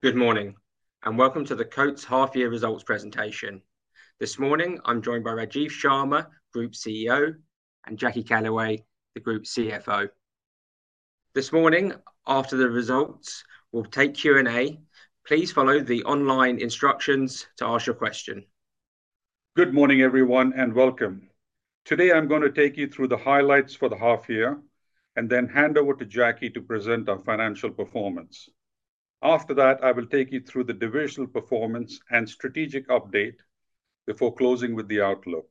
Good morning, and welcome to the Coats half-year results presentation. This morning, I'm joined by Rajiv Sharma, Group CEO, and Jackie Callaway, the Group CFO. This morning, after the results, we'll take Q&A. Please follow the online instructions to ask your question. Good morning, everyone, and welcome. Today, I'm going to take you through the highlights for the half-year, and then hand over to Jackie to present our financial performance. After that, I will take you through the divisional performance and strategic update before closing with the outlook.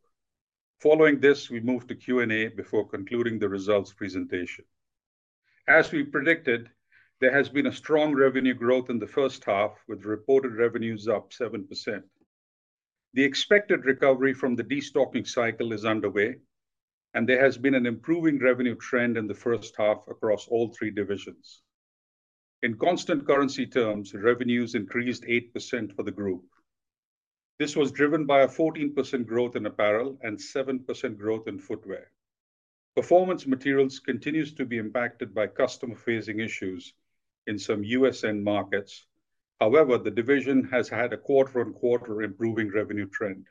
Following this, we move to Q&A before concluding the results presentation. As we predicted, there has been a strong revenue growth in the first half, with reported revenues up 7%. The expected recovery from the destocking cycle is underway, and there has been an improving revenue trend in the first half across all three divisions. In constant currency terms, revenues increased 8% for the Group. This was driven by a 14% growth in Apparel and 7% growth in Footwear. Performance Materials continue to be impacted by customer-facing issues in some U.S. end markets. However, the division has had a quarter-on-quarter improving revenue trend.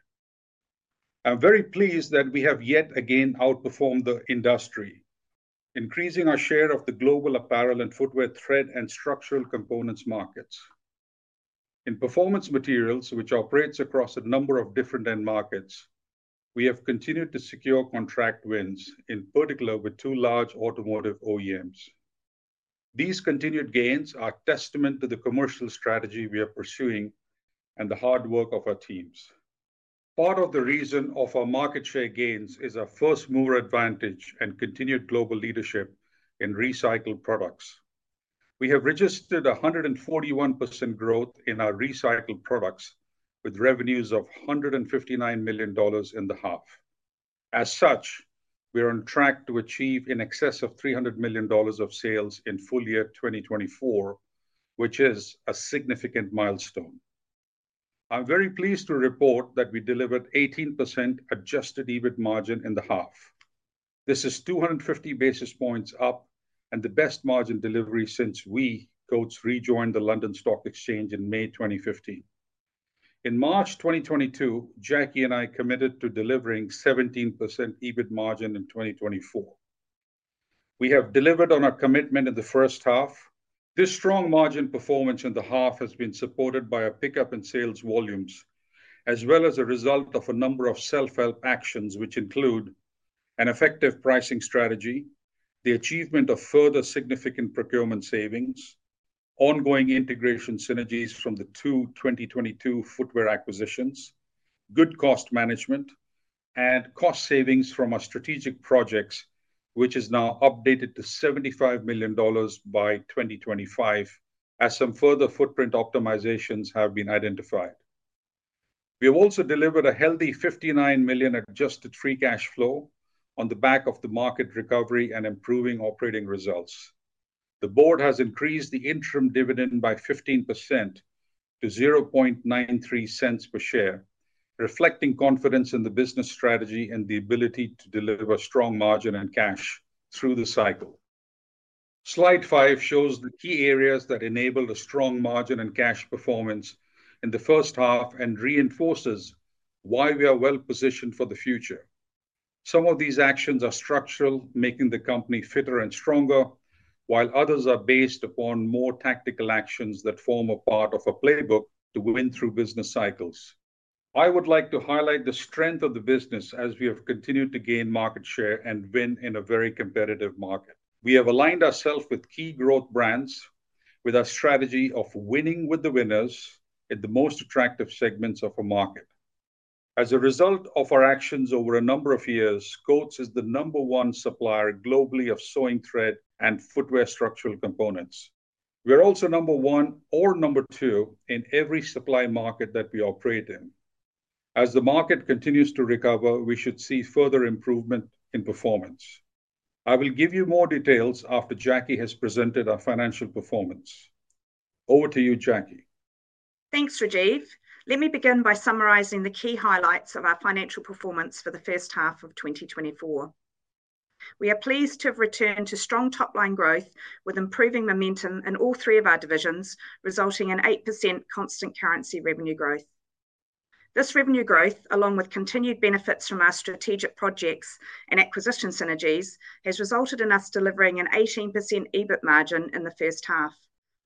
I'm very pleased that we have yet again outperformed the industry, increasing our share of the global apparel and footwear thread and structural components markets. In Performance Materials, which operates across a number of different end markets, we have continued to secure contract wins, in particular with two large automotive OEMs. These continued gains are a testament to the commercial strategy we are pursuing and the hard work of our teams. Part of the reason for our market share gains is our first-mover advantage and continued global leadership in recycled products. We have registered 141% growth in our recycled products, with revenues of $159 million in the half. As such, we are on track to achieve in excess of $300 million of sales in full year 2024, which is a significant milestone. I'm very pleased to report that we delivered 18% Adjusted EBIT margin in the half. This is 250 basis points up and the best margin delivery since Coats rejoined the London Stock Exchange in May 2015. In March 2022, Jackie and I committed to delivering 17% EBIT margin in 2024. We have delivered on our commitment in the first half. This strong margin performance in the half has been supported by our pickup in sales volumes, as well as a result of a number of self-help actions, which include an effective pricing strategy, the achievement of further significant procurement savings, ongoing integration synergies from the two 2022 footwear acquisitions, good cost management, and cost savings from our strategic projects, which is now updated to $75 million by 2025, as some further footprint optimizations have been identified. We have also delivered a healthy $59 million adjusted free cash flow on the back of the market recovery and improving operating results. The board has increased the interim dividend by 15% to $0.0093 per share, reflecting confidence in the business strategy and the ability to deliver strong margin and cash through the cycle. Slide five shows the key areas that enabled a strong margin and cash performance in the first half and reinforces why we are well-positioned for the future. Some of these actions are structural, making the company fitter and stronger, while others are based upon more tactical actions that form a part of a playbook to win through business cycles. I would like to highlight the strength of the business as we have continued to gain market share and win in a very competitive market. We have aligned ourselves with key growth brands with our strategy of winning with the winners in the most attractive segments of our market. As a result of our actions over a number of years, Coats is the number one supplier globally of sewing thread and footwear structural components. We are also number one or number two in every supply market that we operate in. As the market continues to recover, we should see further improvement in performance. I will give you more details after Jackie has presented our financial performance. Over to you, Jackie. Thanks, Rajiv. Let me begin by summarizing the key highlights of our financial performance for the first half of 2024. We are pleased to have returned to strong top-line growth with improving momentum in all three of our divisions, resulting in 8% constant currency revenue growth. This revenue growth, along with continued benefits from our strategic projects and acquisition synergies, has resulted in us delivering an 18% EBIT margin in the first half.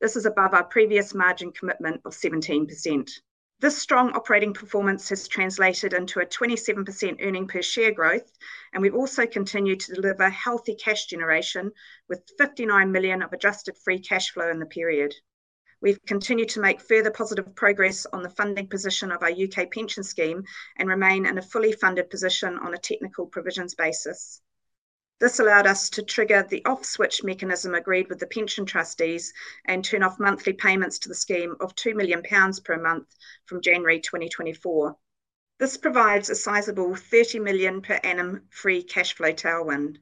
This is above our previous margin commitment of 17%. This strong operating performance has translated into a 27% earnings per share growth, and we also continue to deliver healthy cash generation with $59 million of adjusted free cash flow in the period. We've continued to make further positive progress on the funding position of our U.K. pension scheme and remain in a fully funded position on a technical provisions basis. This allowed us to trigger the off-switch mechanism agreed with the pension trustees and turn off monthly payments to the scheme of 2 million pounds per month from January 2024. This provides a sizable 30 million per annum free cash flow tailwind.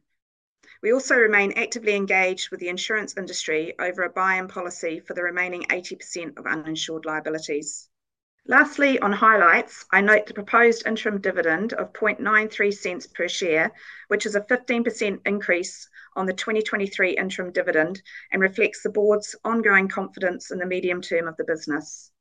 We also remain actively engaged with the insurance industry over a buy-in policy for the remaining 80% of uninsured liabilities. Lastly, on highlights, I note the proposed interim dividend of $0.93 per share, which is a 15% increase on the 2023 interim dividend and reflects the board's ongoing confidence in the medium term of the business.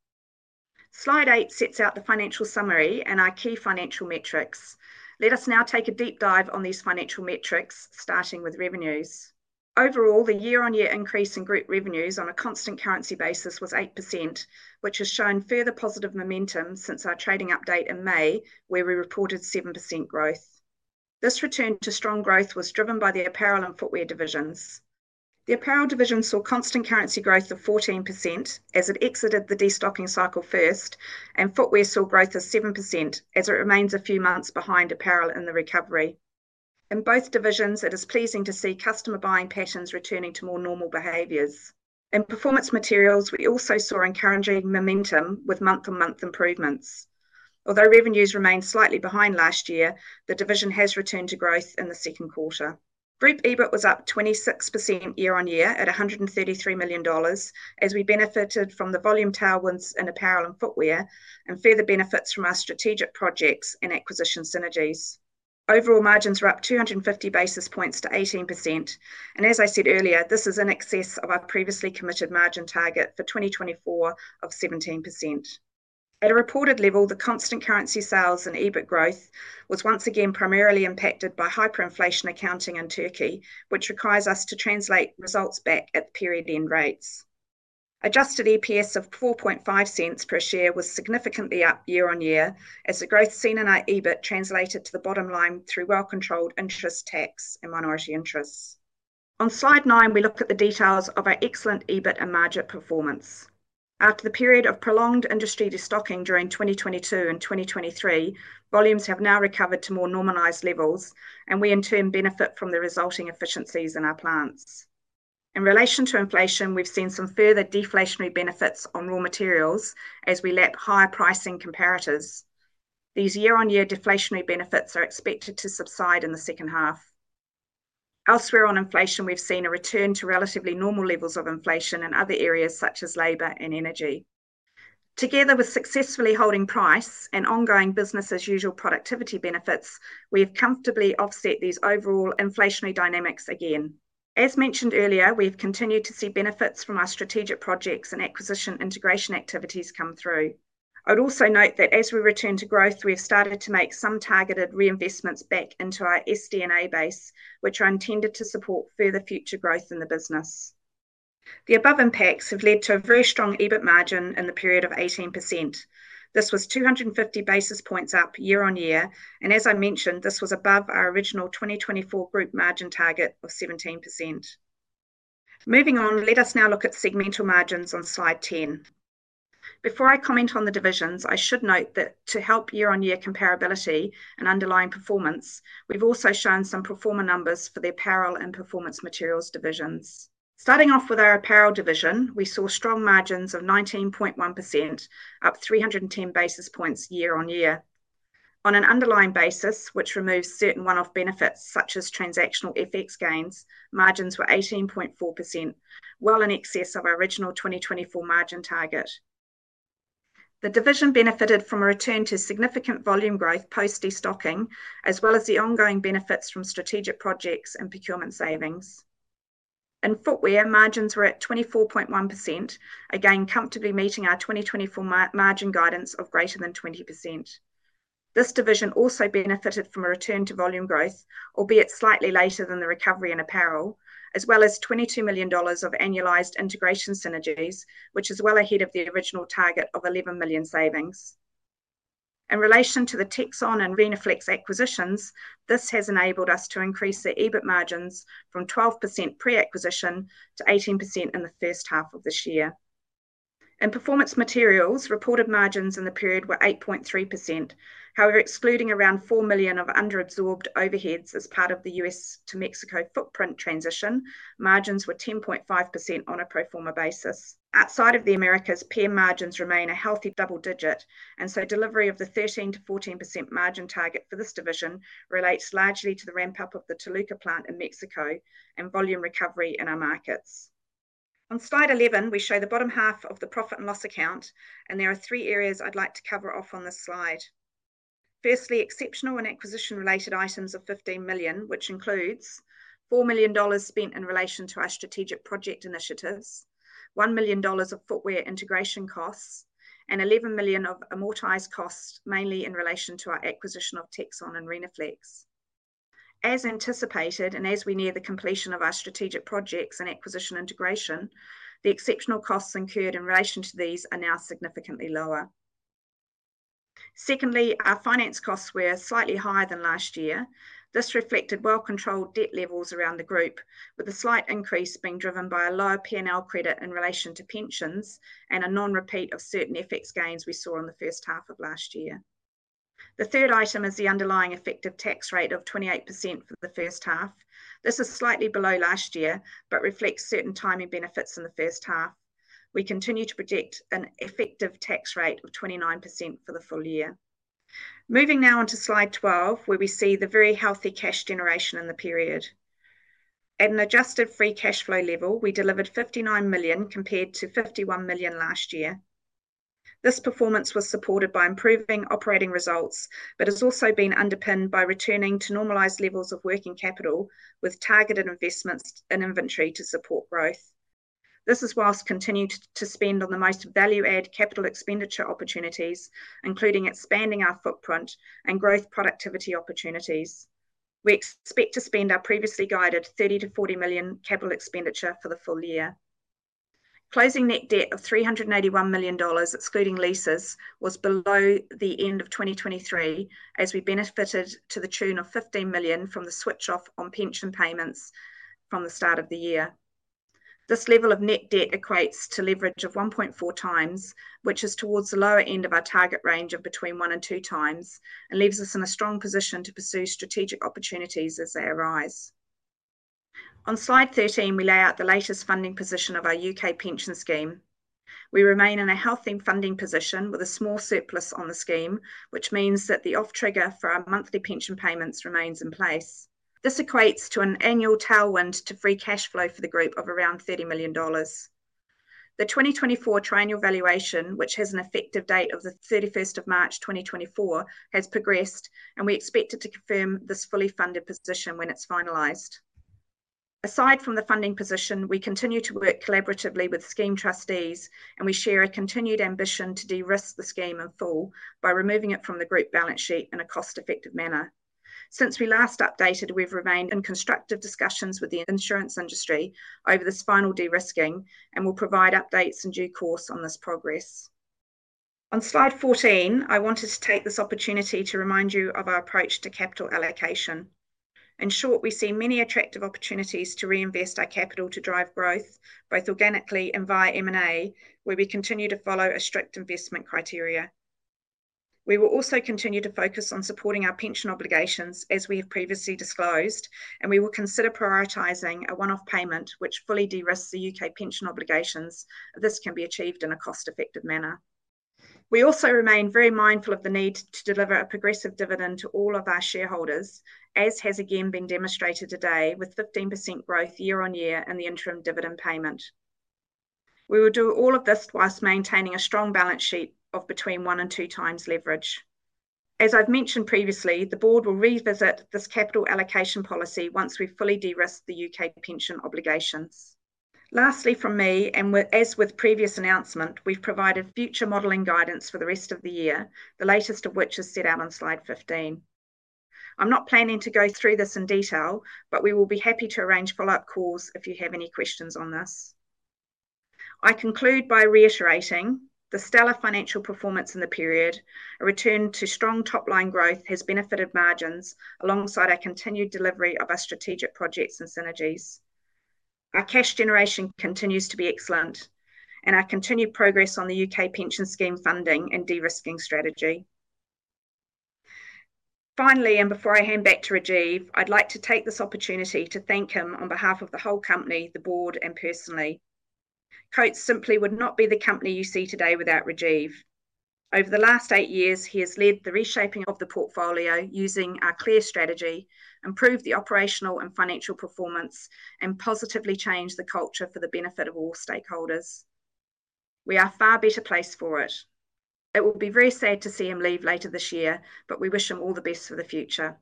Slide eight sets out the financial summary and our key financial metrics. Let us now take a deep dive on these financial metrics, starting with revenues. Overall, the year-on-year increase in group revenues on a constant currency basis was 8%, which has shown further positive momentum since our trading update in May, where we reported 7% growth. This return to strong growth was driven by the apparel and footwear divisions. The apparel division saw constant currency growth of 14% as it exited the destocking cycle first, and footwear saw growth of 7% as it remains a few months behind apparel in the recovery. In both divisions, it is pleasing to see customer buying patterns returning to more normal behaviors. In performance materials, we also saw encouraging momentum with month-on-month improvements. Although revenues remained slightly behind last year, the division has returned to growth in the second quarter. Group EBIT was up 26% year-on-year at $133 million, as we benefited from the volume tailwinds in apparel and footwear and further benefits from our strategic projects and acquisition synergies. Overall margins were up 250 basis points to 18%, and as I said earlier, this is in excess of our previously committed margin target for 2024 of 17%. At a reported level, the constant currency sales and EBIT growth was once again primarily impacted by hyperinflation accounting in Turkey, which requires us to translate results back at the period-end rates. Adjusted EPS of $0.45 per share was significantly up year-on-year, as the growth seen in our EBIT translated to the bottom line through well-controlled interest tax and minority interests. On slide nine, we looked at the details of our excellent EBIT and margin performance. After the period of prolonged industry destocking during 2022 and 2023, volumes have now recovered to more normalized levels, and we in turn benefit from the resulting efficiencies in our plants. In relation to inflation, we've seen some further deflationary benefits on raw materials as we lap higher pricing comparators. These year-on-year deflationary benefits are expected to subside in the second half. Elsewhere on inflation, we've seen a return to relatively normal levels of inflation in other areas such as labor and energy. Together with successfully holding price and ongoing business-as-usual productivity benefits, we have comfortably offset these overall inflationary dynamics again. As mentioned earlier, we've continued to see benefits from our strategic projects and acquisition integration activities come through. I'd also note that as we return to growth, we've started to make some targeted reinvestments back into our SG&A base, which are intended to support further future growth in the business. The above impacts have led to a very strong EBIT margin in the period of 18%. This was 250 basis points up year-on-year, and as I mentioned, this was above our original 2024 group margin target of 17%. Moving on, let us now look at segmental margins on slide 10. Before I comment on the divisions, I should note that to help year-on-year comparability and underlying performance, we've also shown some pro forma numbers for the Apparel and Performance Materials divisions. Starting off with our apparel division, we saw strong margins of 19.1%, up 310 basis points year-on-year. On an underlying basis, which removes certain one-off benefits such as transactional FX gains, margins were 18.4%, well in excess of our original 2024 margin target. The division benefited from a return to significant volume growth post-destocking, as well as the ongoing benefits from strategic projects and procurement savings. In footwear, margins were at 24.1%, again comfortably meeting our 2024 margin guidance of greater than 20%. This division also benefited from a return to volume growth, albeit slightly later than the recovery in apparel, as well as $22 million of annualized integration synergies, which is well ahead of the original target of $11 million savings. In relation to the Texon and Rhenoflex acquisitions, this has enabled us to increase the EBIT margins from 12% pre-acquisition to 18% in the first half of this year. In performance materials, reported margins in the period were 8.3%. However, excluding around $4 million of underabsorbed overheads as part of the U.S. to Mexico footprint transition, margins were 10.5% on a pro forma basis. Outside of the Americas, PM margins remain a healthy double digit, and so delivery of the 13%-14% margin target for this division relates largely to the ramp-up of the Toluca plant in Mexico and volume recovery in our markets. On slide 11, we show the bottom half of the profit and loss account, and there are three areas I'd like to cover off on this slide. Firstly, exceptional and acquisition-related items of $15 million, which includes $4 million spent in relation to our strategic project initiatives, $1 million of Footwear integration costs, and $11 million of amortized costs, mainly in relation to our acquisition of Texon and Rhenoflex. As anticipated, and as we near the completion of our strategic projects and acquisition integration, the exceptional costs incurred in relation to these are now significantly lower. Secondly, our finance costs were slightly higher than last year. This reflected well-controlled debt levels around the group, with a slight increase being driven by a lower P&L credit in relation to pensions and a non-repeat of certain FX gains we saw in the first half of last year. The third item is the underlying effective tax rate of 28% for the first half. This is slightly below last year, but reflects certain timing benefits in the first half. We continue to predict an effective tax rate of 29% for the full year. Moving now on to slide 12, where we see the very healthy cash generation in the period. At an adjusted free cash flow level, we delivered $59 million compared to $51 million last year. This performance was supported by improving operating results, but has also been underpinned by returning to normalized levels of working capital with targeted investments in inventory to support growth. This is while continuing to spend on the most value-add capital expenditure opportunities, including expanding our footprint and growth productivity opportunities. We expect to spend our previously guided $30 million-$40 million capital expenditure for the full year. Closing net debt of $381 million, excluding leases, was below the end of 2023, as we benefited to the tune of $15 million from the switch-off on pension payments from the start of the year. This level of net debt equates to leverage of 1.4 times, which is towards the lower end of our target range of between one and two times, and leaves us in a strong position to pursue strategic opportunities as they arise. On slide 13, we lay out the latest funding position of our U.K. pension scheme. We remain in a healthy funding position with a small surplus on the scheme, which means that the off-trigger for our monthly pension payments remains in place. This equates to an annual tailwind to free cash flow for the group of around $30 million. The 2024 triennial valuation, which has an effective date of the 31st of March 2024, has progressed, and we expect it to confirm this fully funded position when it's finalized. Aside from the funding position, we continue to work collaboratively with scheme trustees, and we share a continued ambition to de-risk the scheme in full by removing it from the group balance sheet in a cost-effective manner. Since we last updated, we've remained in constructive discussions with the insurance industry over this final de-risking, and we'll provide updates in due course on this progress. On slide 14, I wanted to take this opportunity to remind you of our approach to capital allocation. In short, we see many attractive opportunities to reinvest our capital to drive growth, both organically and via M&A, where we continue to follow a strict investment criteria. We will also continue to focus on supporting our pension obligations, as we have previously disclosed, and we will consider prioritizing a one-off payment which fully de-risks the U.K. pension obligations, if this can be achieved in a cost-effective manner. We also remain very mindful of the need to deliver a progressive dividend to all of our shareholders, as has again been demonstrated today with 15% growth year-on-year in the interim dividend payment. We will do all of this whilst maintaining a strong balance sheet of between one and two times leverage. As I've mentioned previously, the board will revisit this capital allocation policy once we've fully de-risked the U.K. pension obligations. Lastly, from me, and as with previous announcement, we've provided future modeling guidance for the rest of the year, the latest of which is set out on slide 15. I'm not planning to go through this in detail, but we will be happy to arrange follow-up calls if you have any questions on this. I conclude by reiterating the stellar financial performance in the period. A return to strong top-line growth has benefited margins alongside our continued delivery of our strategic projects and synergies. Our cash generation continues to be excellent, and our continued progress on the U.K. pension scheme funding and de-risking strategy. Finally, and before I hand back to Rajiv, I'd like to take this opportunity to thank him on behalf of the whole company, the board, and personally. Coats simply would not be the company you see today without Rajiv. Over the last eight years, he has led the reshaping of the portfolio using our clear strategy, improved the operational and financial performance, and positively changed the culture for the benefit of all stakeholders. We are a far better place for it. It will be very sad to see him leave later this year, but we wish him all the best for the future.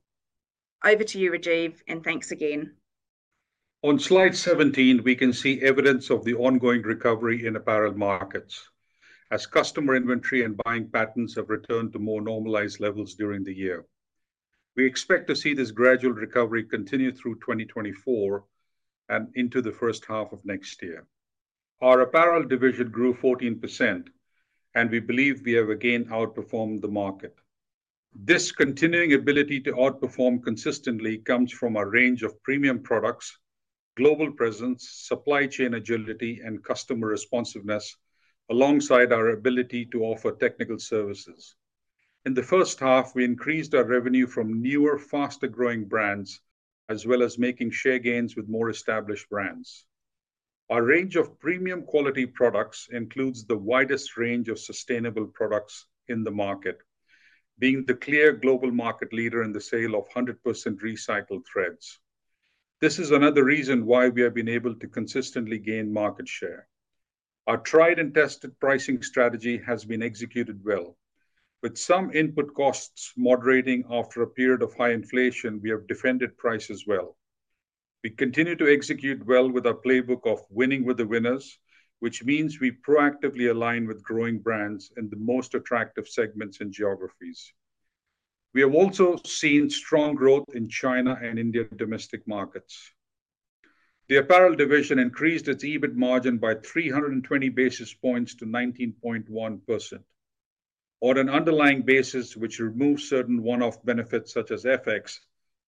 Over to you, Rajiv, and thanks again. On slide 17, we can see evidence of the ongoing recovery in apparel markets, as customer inventory and buying patterns have returned to more normalized levels during the year. We expect to see this gradual recovery continue through 2024 and into the first half of next year. Our apparel division grew 14%, and we believe we have again outperformed the market. This continuing ability to outperform consistently comes from our range of premium products, global presence, supply chain agility, and customer responsiveness, alongside our ability to offer technical services. In the first half, we increased our revenue from newer, faster-growing brands, as well as making share gains with more established brands. Our range of premium-quality products includes the widest range of sustainable products in the market, being the clear global market leader in the sale of 100% recycled threads. This is another reason why we have been able to consistently gain market share. Our tried-and-tested pricing strategy has been executed well, with some input costs moderating after a period of high inflation. We have defended prices well. We continue to execute well with our playbook of winning with the winners, which means we proactively align with growing brands in the most attractive segments and geographies. We have also seen strong growth in China and India domestic markets. The apparel division increased its EBIT margin by 320 basis points to 19.1%. On an underlying basis, which removes certain one-off benefits such as FX,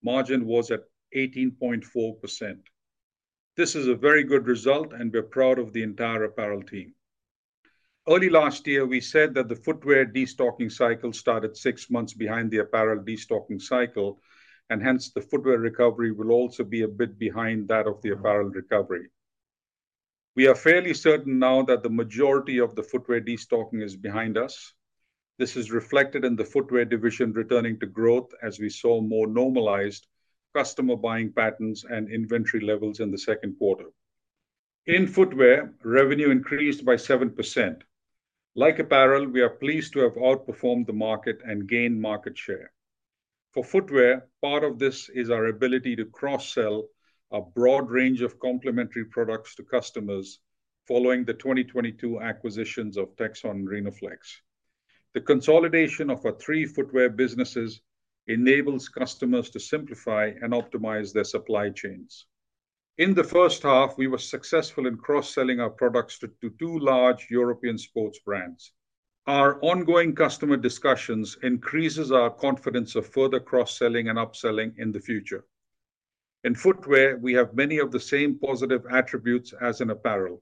margin was at 18.4%. This is a very good result, and we're proud of the entire apparel team. Early last year, we said that the footwear destocking cycle started six months behind the apparel destocking cycle, and hence the footwear recovery will also be a bit behind that of the apparel recovery. We are fairly certain now that the majority of the footwear destocking is behind us. This is reflected in the footwear division returning to growth, as we saw more normalized customer buying patterns and inventory levels in the second quarter. In footwear, revenue increased by 7%. Like apparel, we are pleased to have outperformed the market and gained market share. For Footwear, part of this is our ability to cross-sell a broad range of complementary products to customers following the 2022 acquisitions of Texon and Rhenoflex. The consolidation of our three footwear businesses enables customers to simplify and optimize their supply chains. In the first half, we were successful in cross-selling our products to two large European sports brands. Our ongoing customer discussions increase our confidence of further cross-selling and upselling in the future. In Footwear, we have many of the same positive attributes as in apparel.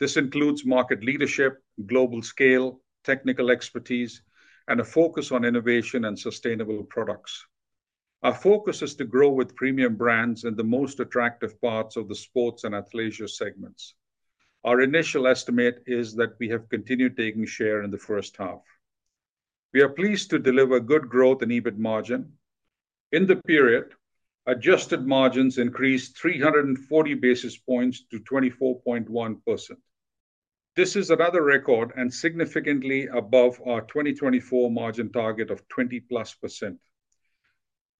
This includes market leadership, global scale, technical expertise, and a focus on innovation and sustainable products. Our focus is to grow with premium brands in the most attractive parts of the sports and athleisure segments. Our initial estimate is that we have continued taking share in the first half. We are pleased to deliver good growth in EBIT margin. In the period, adjusted margins increased 340 basis points to 24.1%. This is another record and significantly above our 2024 margin target of 20%+.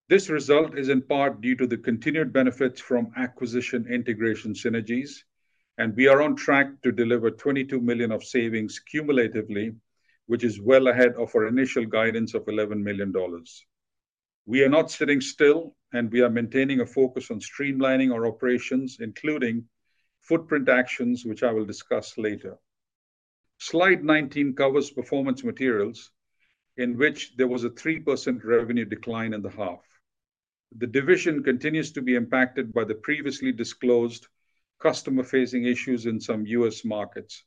This result is in part due to the continued benefits from acquisition integration synergies, and we are on track to deliver $22 million of savings cumulatively, which is well ahead of our initial guidance of $11 million. We are not sitting still, and we are maintaining a focus on streamlining our operations, including footprint actions, which I will discuss later. Slide 19 covers performance materials, in which there was a 3% revenue decline in the half. The division continues to be impacted by the previously disclosed customer-facing issues in some US markets,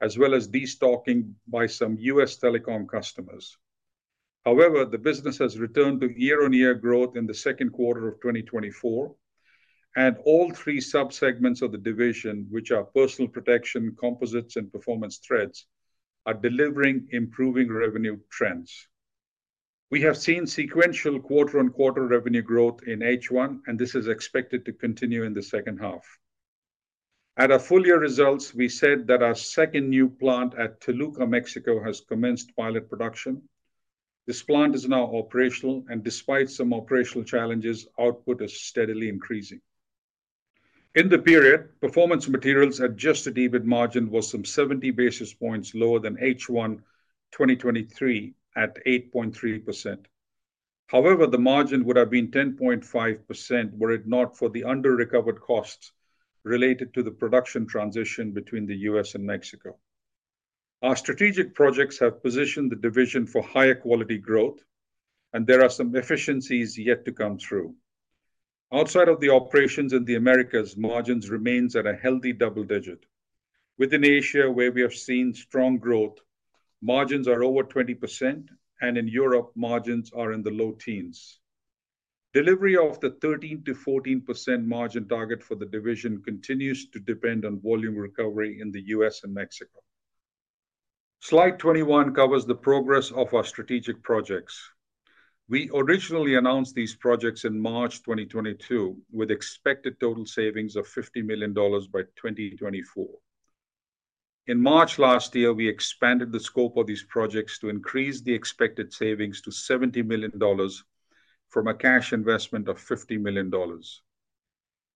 as well as destocking by some U.S. telecom customers. However, the business has returned to year-on-year growth in the second quarter of 2024, and all three subsegments of the division, which are personal protection, composites, and performance threads, are delivering improving revenue trends. We have seen sequential quarter-on-quarter revenue growth in H1, and this is expected to continue in the second half. At our full year results, we said that our second new plant at Toluca, Mexico, has commenced pilot production. This plant is now operational, and despite some operational challenges, output is steadily increasing. In the period, performance materials' Adjusted EBIT margin was some 70 basis points lower than H1 2023 at 8.3%. However, the margin would have been 10.5% were it not for the under-recovered costs related to the production transition between the U.S. and Mexico. Our strategic projects have positioned the division for higher quality growth, and there are some efficiencies yet to come through. Outside of the operations in the Americas, margins remain at a healthy double digit. Within Asia, where we have seen strong growth, margins are over 20%, and in Europe, margins are in the low teens. Delivery of the 13%-14% margin target for the division continues to depend on volume recovery in the U.S. and Mexico. Slide 21 covers the progress of our strategic projects. We originally announced these projects in March 2022, with expected total savings of $50 million by 2024. In March last year, we expanded the scope of these projects to increase the expected savings to $70 million from a cash investment of $50 million.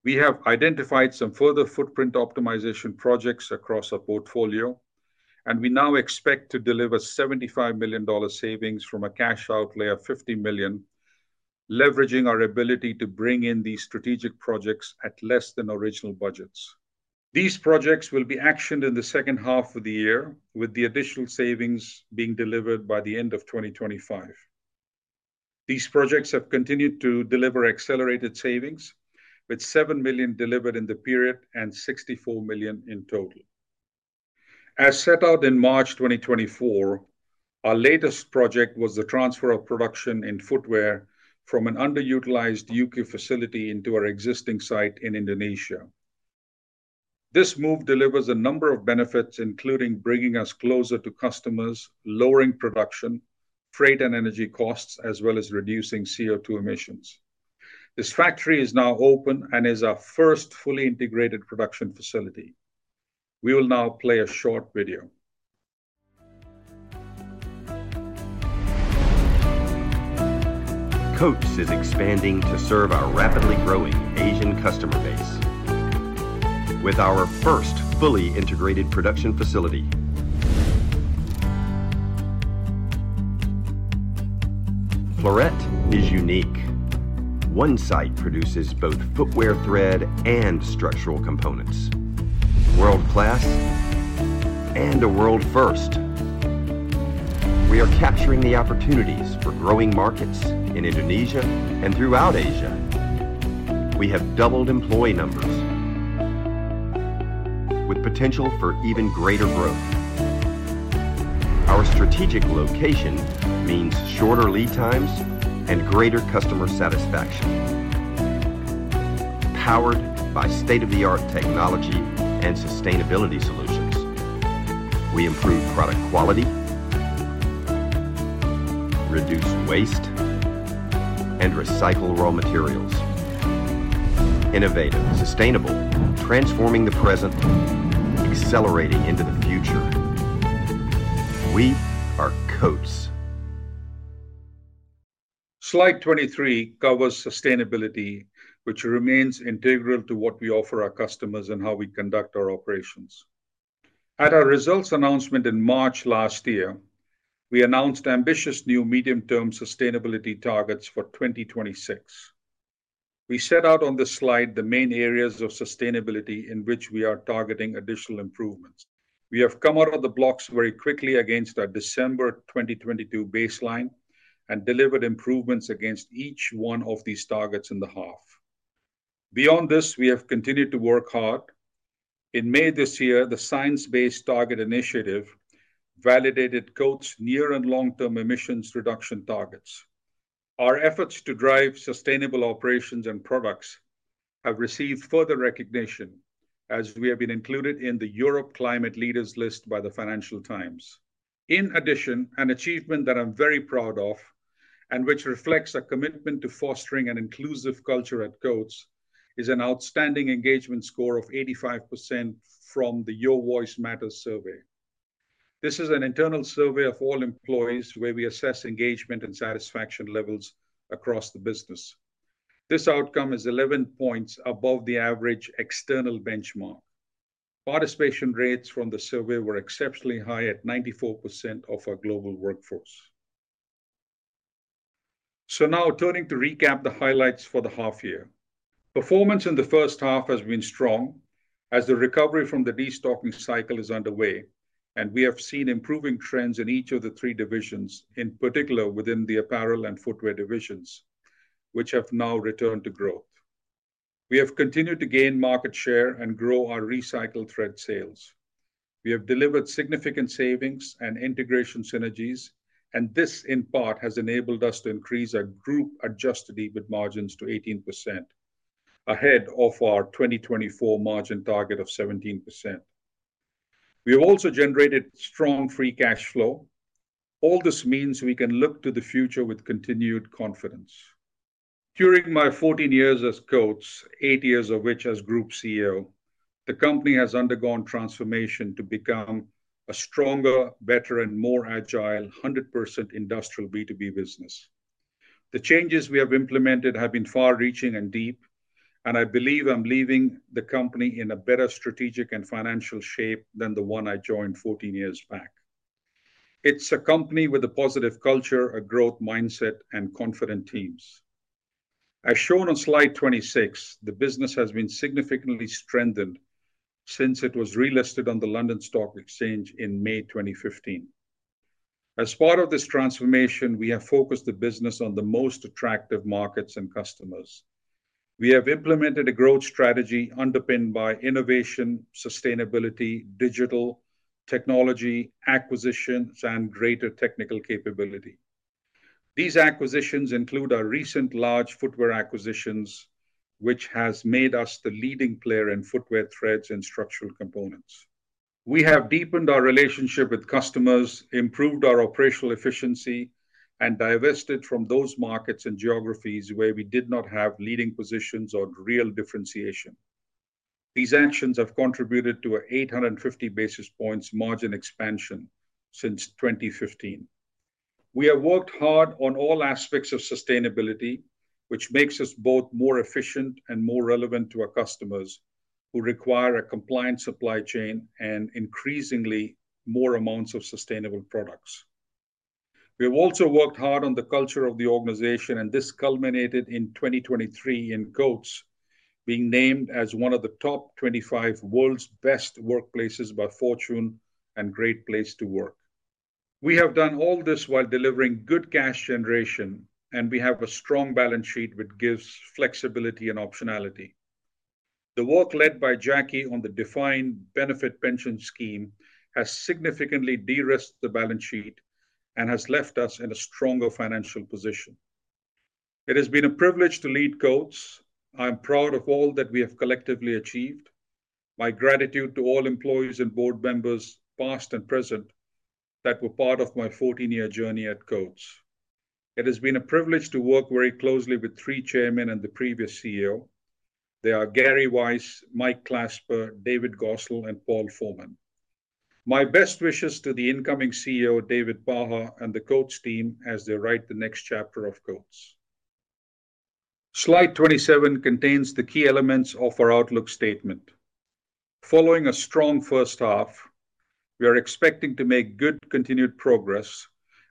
We have identified some further footprint optimization projects across our portfolio, and we now expect to deliver $75 million savings from a cash outlay of $50 million, leveraging our ability to bring in these strategic projects at less than original budgets. These projects will be actioned in the second half of the year, with the additional savings being delivered by the end of 2025. These projects have continued to deliver accelerated savings, with $7 million delivered in the period and $64 million in total. As set out in March 2024, our latest project was the transfer of production in footwear from an underutilized EU facility into our existing site in Indonesia. This move delivers a number of benefits, including bringing us closer to customers, lowering production, freight and energy costs, as well as reducing CO2 emissions. This factory is now open and is our first fully integrated production facility. We will now play a short video. Coats is expanding to serve our rapidly growing Asian customer base with our first fully integrated production facility. Laurette is unique. One site produces both footwear thread and structural components. World-class and a world-first. We are capturing the opportunities for growing markets in Indonesia and throughout Asia. We have doubled employee numbers, with potential for even greater growth. Our strategic location means shorter lead times and greater customer satisfaction. Powered by state-of-the-art technology and sustainability solutions, we improve product quality, reduce waste, and recycle raw materials. Innovative, sustainable, transforming the present, accelerating into the future. We are Coats. Slide 23 covers sustainability, which remains integral to what we offer our customers and how we conduct our operations. At our results announcement in March last year, we announced ambitious new medium-term sustainability targets for 2026. We set out on this slide the main areas of sustainability in which we are targeting additional improvements. We have come out of the blocks very quickly against our December 2022 baseline and delivered improvements against each one of these targets in the half. Beyond this, we have continued to work hard. In May this year, the Science Based Targets initiative validated Coats' near and long-term emissions reduction targets. Our efforts to drive sustainable operations and products have received further recognition, as we have been included in the Europe Climate Leaders list by the Financial Times. In addition, an achievement that I'm very proud of and which reflects our commitment to fostering an inclusive culture at Coats is an outstanding engagement score of 85% from the Your Voice Matters survey. This is an internal survey of all employees where we assess engagement and satisfaction levels across the business. This outcome is 11 points above the average external benchmark. Participation rates from the survey were exceptionally high at 94% of our global workforce. So now, turning to recap the highlights for the half year. Performance in the first half has been strong as the recovery from the destocking cycle is underway, and we have seen improving trends in each of the three divisions, in particular within the apparel and footwear divisions, which have now returned to growth. We have continued to gain market share and grow our recycled thread sales. We have delivered significant savings and integration synergies, and this in part has enabled us to increase our group-adjusted EBIT margins to 18%, ahead of our 2024 margin target of 17%. We have also generated strong free cash flow. All this means we can look to the future with continued confidence. During my 14 years at Coats, eight years of which as Group CEO, the company has undergone transformation to become a stronger, better, and more agile 100% industrial B2B business. The changes we have implemented have been far-reaching and deep, and I believe I'm leaving the company in a better strategic and financial shape than the one I joined 14 years back. It's a company with a positive culture, a growth mindset, and confident teams. As shown on slide 26, the business has been significantly strengthened since it was relisted on the London Stock Exchange in May 2015. As part of this transformation, we have focused the business on the most attractive markets and customers. We have implemented a growth strategy underpinned by innovation, sustainability, digital technology acquisitions, and greater technical capability. These acquisitions include our recent large footwear acquisitions, which has made us the leading player in footwear threads and structural components. We have deepened our relationship with customers, improved our operational efficiency, and divested from those markets and geographies where we did not have leading positions or real differentiation. These actions have contributed to an 850 basis points margin expansion since 2015. We have worked hard on all aspects of sustainability, which makes us both more efficient and more relevant to our customers who require a compliant supply chain and increasingly more amounts of sustainable products. We have also worked hard on the culture of the organization, and this culminated in 2023 in Coats being named as one of the top 25 World's Best Workplaces by Fortune and Great Place to Work. We have done all this while delivering good cash generation, and we have a strong balance sheet which gives flexibility and optionality. The work led by Jackie on the Defined Benefit Pension scheme has significantly de-risked the balance sheet and has left us in a stronger financial position. It has been a privilege to lead Coats. I am proud of all that we have collectively achieved. My gratitude to all employees and board members, past and present, that were part of my 14-year journey at Coats. It has been a privilege to work very closely with three chairmen and the previous CEO. They are Gary Weiss, Mike Clasper, David Gosnell, and Paul Forman. My best wishes to the incoming CEO, David Pinder, and the Coats team as they write the next chapter of Coats. Slide 27 contains the key elements of our outlook statement. Following a strong first half, we are expecting to make good continued progress,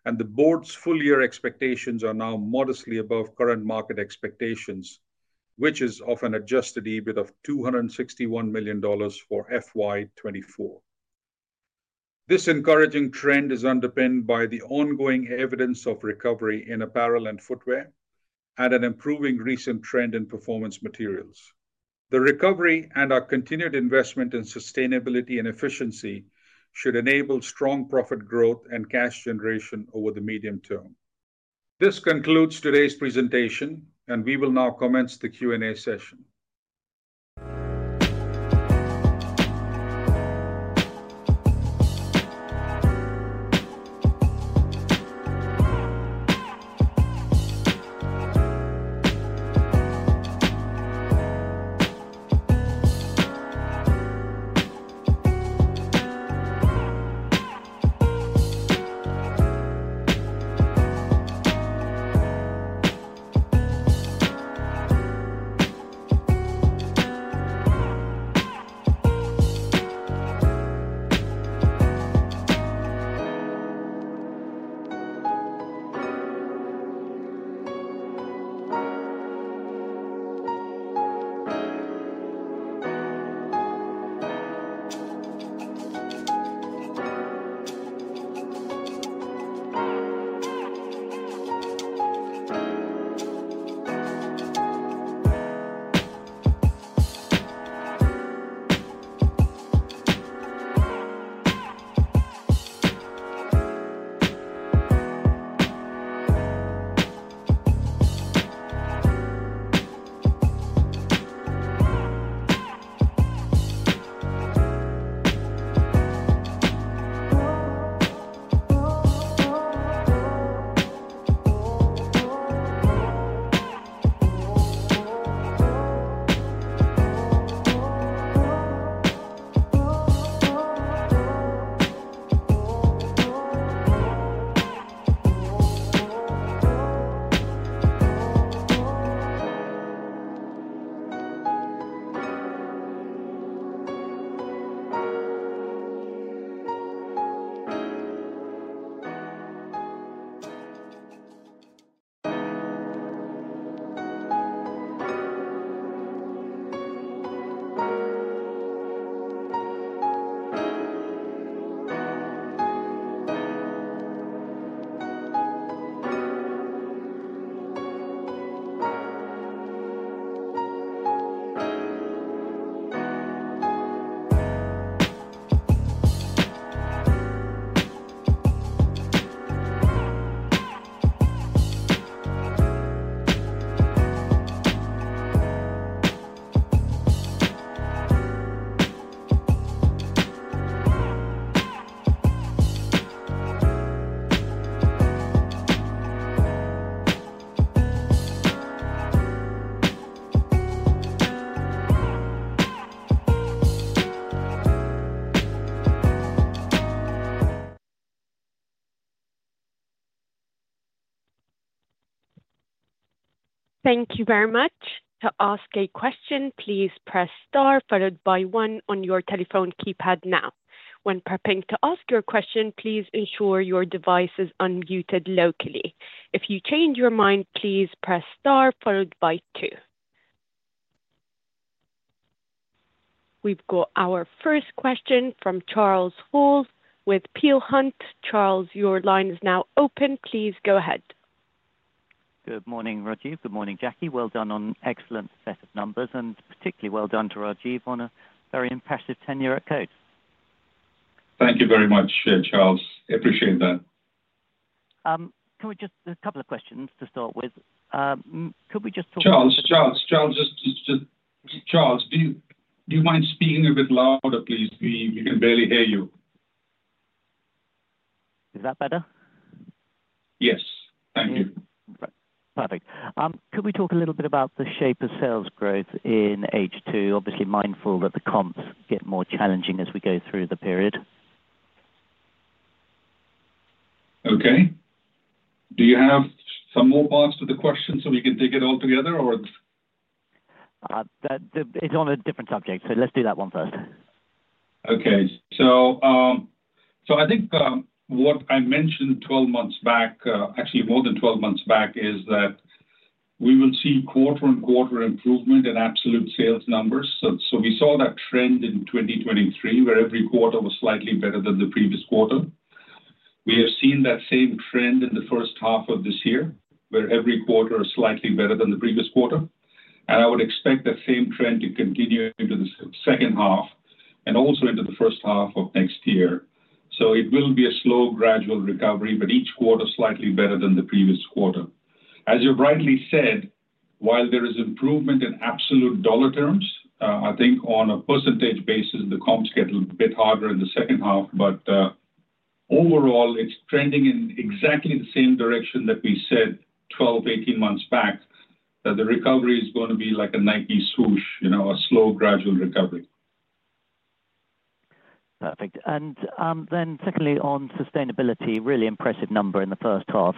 and the board's full year expectations are now modestly above current market expectations, which is of an Adjusted EBIT of $261 million for FY 2024. This encouraging trend is underpinned by the ongoing evidence of recovery in apparel and footwear and an improving recent trend in performance materials. The recovery and our continued investment in sustainability and efficiency should enable strong profit growth and cash generation over the medium term. This concludes today's presentation, and we will now commence the Q&A session. Thank you very much. To ask a question, please press star followed by one on your telephone keypad now. When prepping to ask your question, please ensure your device is unmuted locally. If you change your mind, please press star followed by two. We've got our first question from Charles Hall with Peel Hunt. Charles, your line is now open. Please go ahead. Good morning, Rajiv. Good morning, Jackie. Well done on an excellent set of numbers, and particularly well done to Rajiv on a very impressive tenure at Coats. Thank you very much, Charles. Appreciate that. Can we just a couple of questions to start with? Could we just talk? Charles, do you mind speaking a bit louder? Please, we can barely hear you. Is that better? Yes, thank you. Perfect. Could we talk a little bit about the shape of sales growth in H2? Obviously mindful that the comps get more challenging as we go through the period. Okay. Do you have some more parts to the question so we can dig it all together or? It's on a different subject, so let's do that one first. Okay, so I think what I mentioned 12 months back, actually more than 12 months back, is that we will see quarter-on-quarter improvement in absolute sales numbers. So we saw that trend in 2023 where every quarter was slightly better than the previous quarter. We have seen that same trend in the first half of this year where every quarter is slightly better than the previous quarter. I would expect that same trend to continue into the second half and also into the first half of next year. So it will be a slow, gradual recovery, but each quarter slightly better than the previous quarter. As you rightly said, while there is improvement in absolute dollar terms, I think on a percentage basis, the comps get a bit harder in the second half, but overall, it's trending in exactly the same direction that we said 12, 18 months back, that the recovery is going to be like a Nike Swoosh, you know, a slow, gradual recovery. Perfect. Then secondly on sustainability, really impressive number in the first half.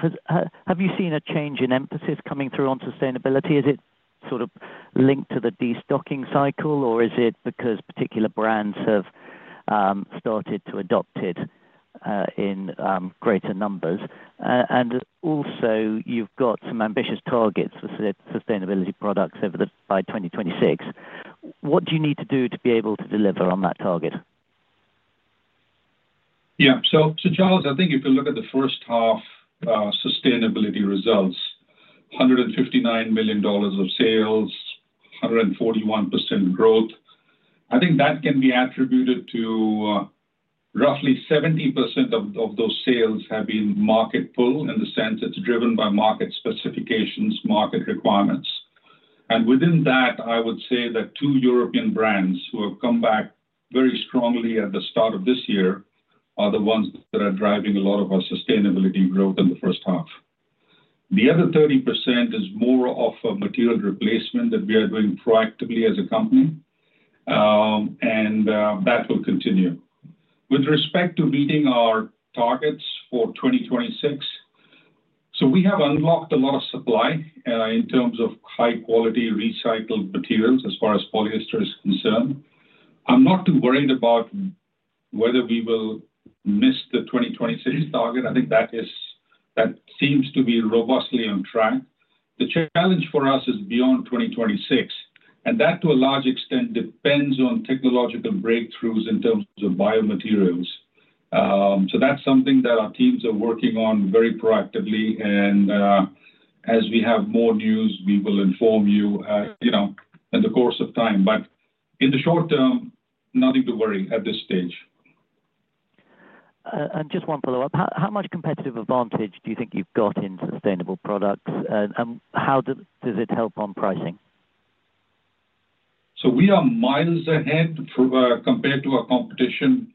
Have you seen a change in emphasis coming through on sustainability? Is it sort of linked to the destocking cycle or is it because particular brands have started to adopt it in greater numbers? And also you've got some ambitious targets for sustainability products over the by 2026. What do you need to do to be able to deliver on that target? Yeah, so, so Charles, I think if you look at the first half, sustainability results, $159 million of sales, 141% growth. I think that can be attributed to, roughly 70% of, of those sales have been market pull in the sense it's driven by market specifications, market requirements. And within that, I would say that two European brands who have come back very strongly at the start of this year are the ones that are driving a lot of our sustainability growth in the first half. The other 30% is more of a material replacement that we are doing proactively as a company, and, that will continue. With respect to meeting our targets for 2026, so we have unlocked a lot of supply, in terms of high-quality recycled materials as far as polyester is concerned. I'm not too worried about whether we will miss the 2026 target. I think that is, that seems to be robustly on track. The challenge for us is beyond 2026, and that to a large extent depends on technological breakthroughs in terms of biomaterials. So that's something that our teams are working on very proactively. As we have more news, we will inform you, you know, in the course of time. But in the short term, nothing to worry at this stage. Just one follow-up. How, how much competitive advantage do you think you've got into sustainable products? And, and how does it help on pricing? So we are miles ahead compared to our competition.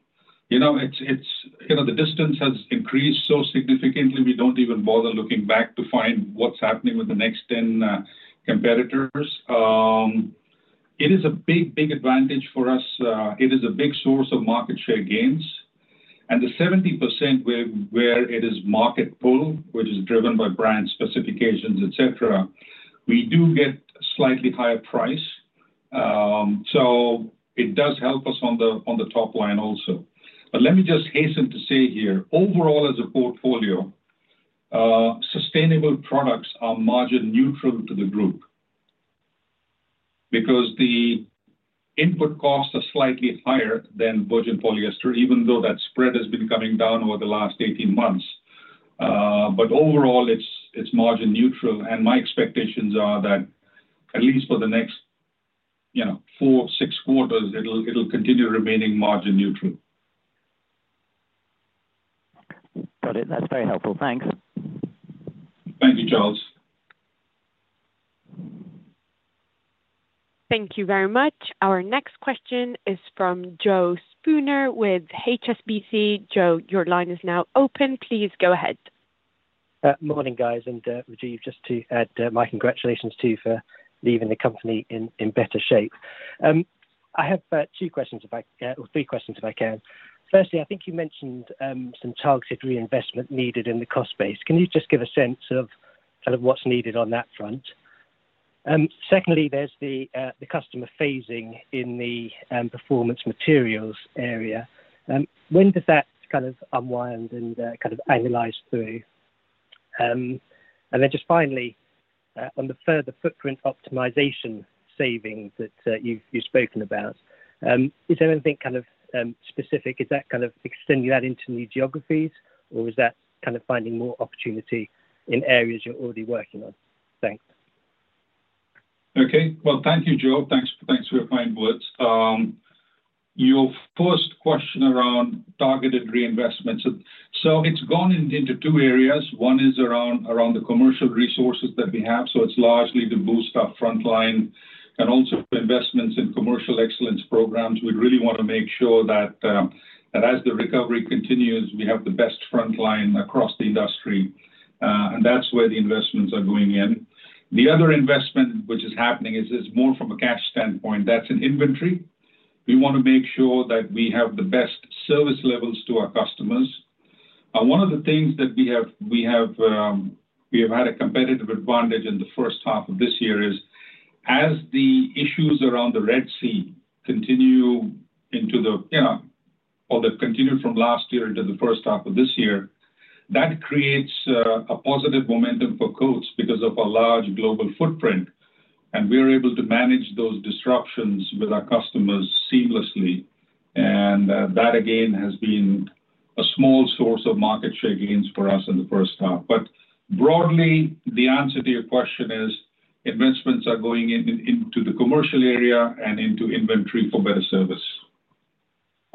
You know, it's, it's, you know, the distance has increased so significantly. We don't even bother looking back to find what's happening with the next 10 competitors. It is a big, big advantage for us. It is a big source of market share gains. And the 70% where it is market pull, which is driven by brand specifications, et cetera, we do get slightly higher price. So it does help us on the top line also. But let me just hasten to say here, overall as a portfolio, sustainable products are margin neutral to the group because the input costs are slightly higher than virgin polyester, even though that spread has been coming down over the last 18 months. But overall it's margin neutral. And my expectations are that at least for the next, you know, four, six quarters, it'll continue remaining margin neutral. Got it. That's very helpful. Thanks. Thank you, Charles. Thank you very much. Our next question is from Joe Spooner with HSBC. Joe, your line is now open. Please go ahead. Morning, guys. And, Rajiv, just to add my congratulations to you for leaving the company in better shape. I have two questions about, or three questions if I can. Firstly, I think you mentioned some targeted reinvestment needed in the cost base. Can you just give a sense of kind of what's needed on that front? Secondly, there's the customer-facing in the Performance Materials area. When does that kind of unwind and kind of annualize through? And then just finally, on the further footprint optimization savings that you've spoken about, is there anything kind of specific? Is that kind of extend to add into new geographies or is that kind of finding more opportunity in areas you're already working on? Thanks. Okay. Well, thank you, Joe. Thanks for your kind words. Your first question around targeted reinvestments. So it's gone into two areas. One is around the commercial resources that we have. So it's largely to boost our frontline and also investments in commercial excellence programs. We'd really want to make sure that as the recovery continues, we have the best frontline across the industry. And that's where the investments are going in. The other investment which is happening is more from a cash standpoint. That's an inventory. We want to make sure that we have the best service levels to our customers. And one of the things that we have had a competitive advantage in the first half of this year is as the issues around the Red Sea continue into the, you know, or that continue from last year into the first half of this year, that creates a positive momentum for Coats because of a large global footprint. We are able to manage those disruptions with our customers seamlessly. That again has been a small source of market share gains for us in the first half. Broadly, the answer to your question is investments are going in, into the commercial area and into inventory for better service.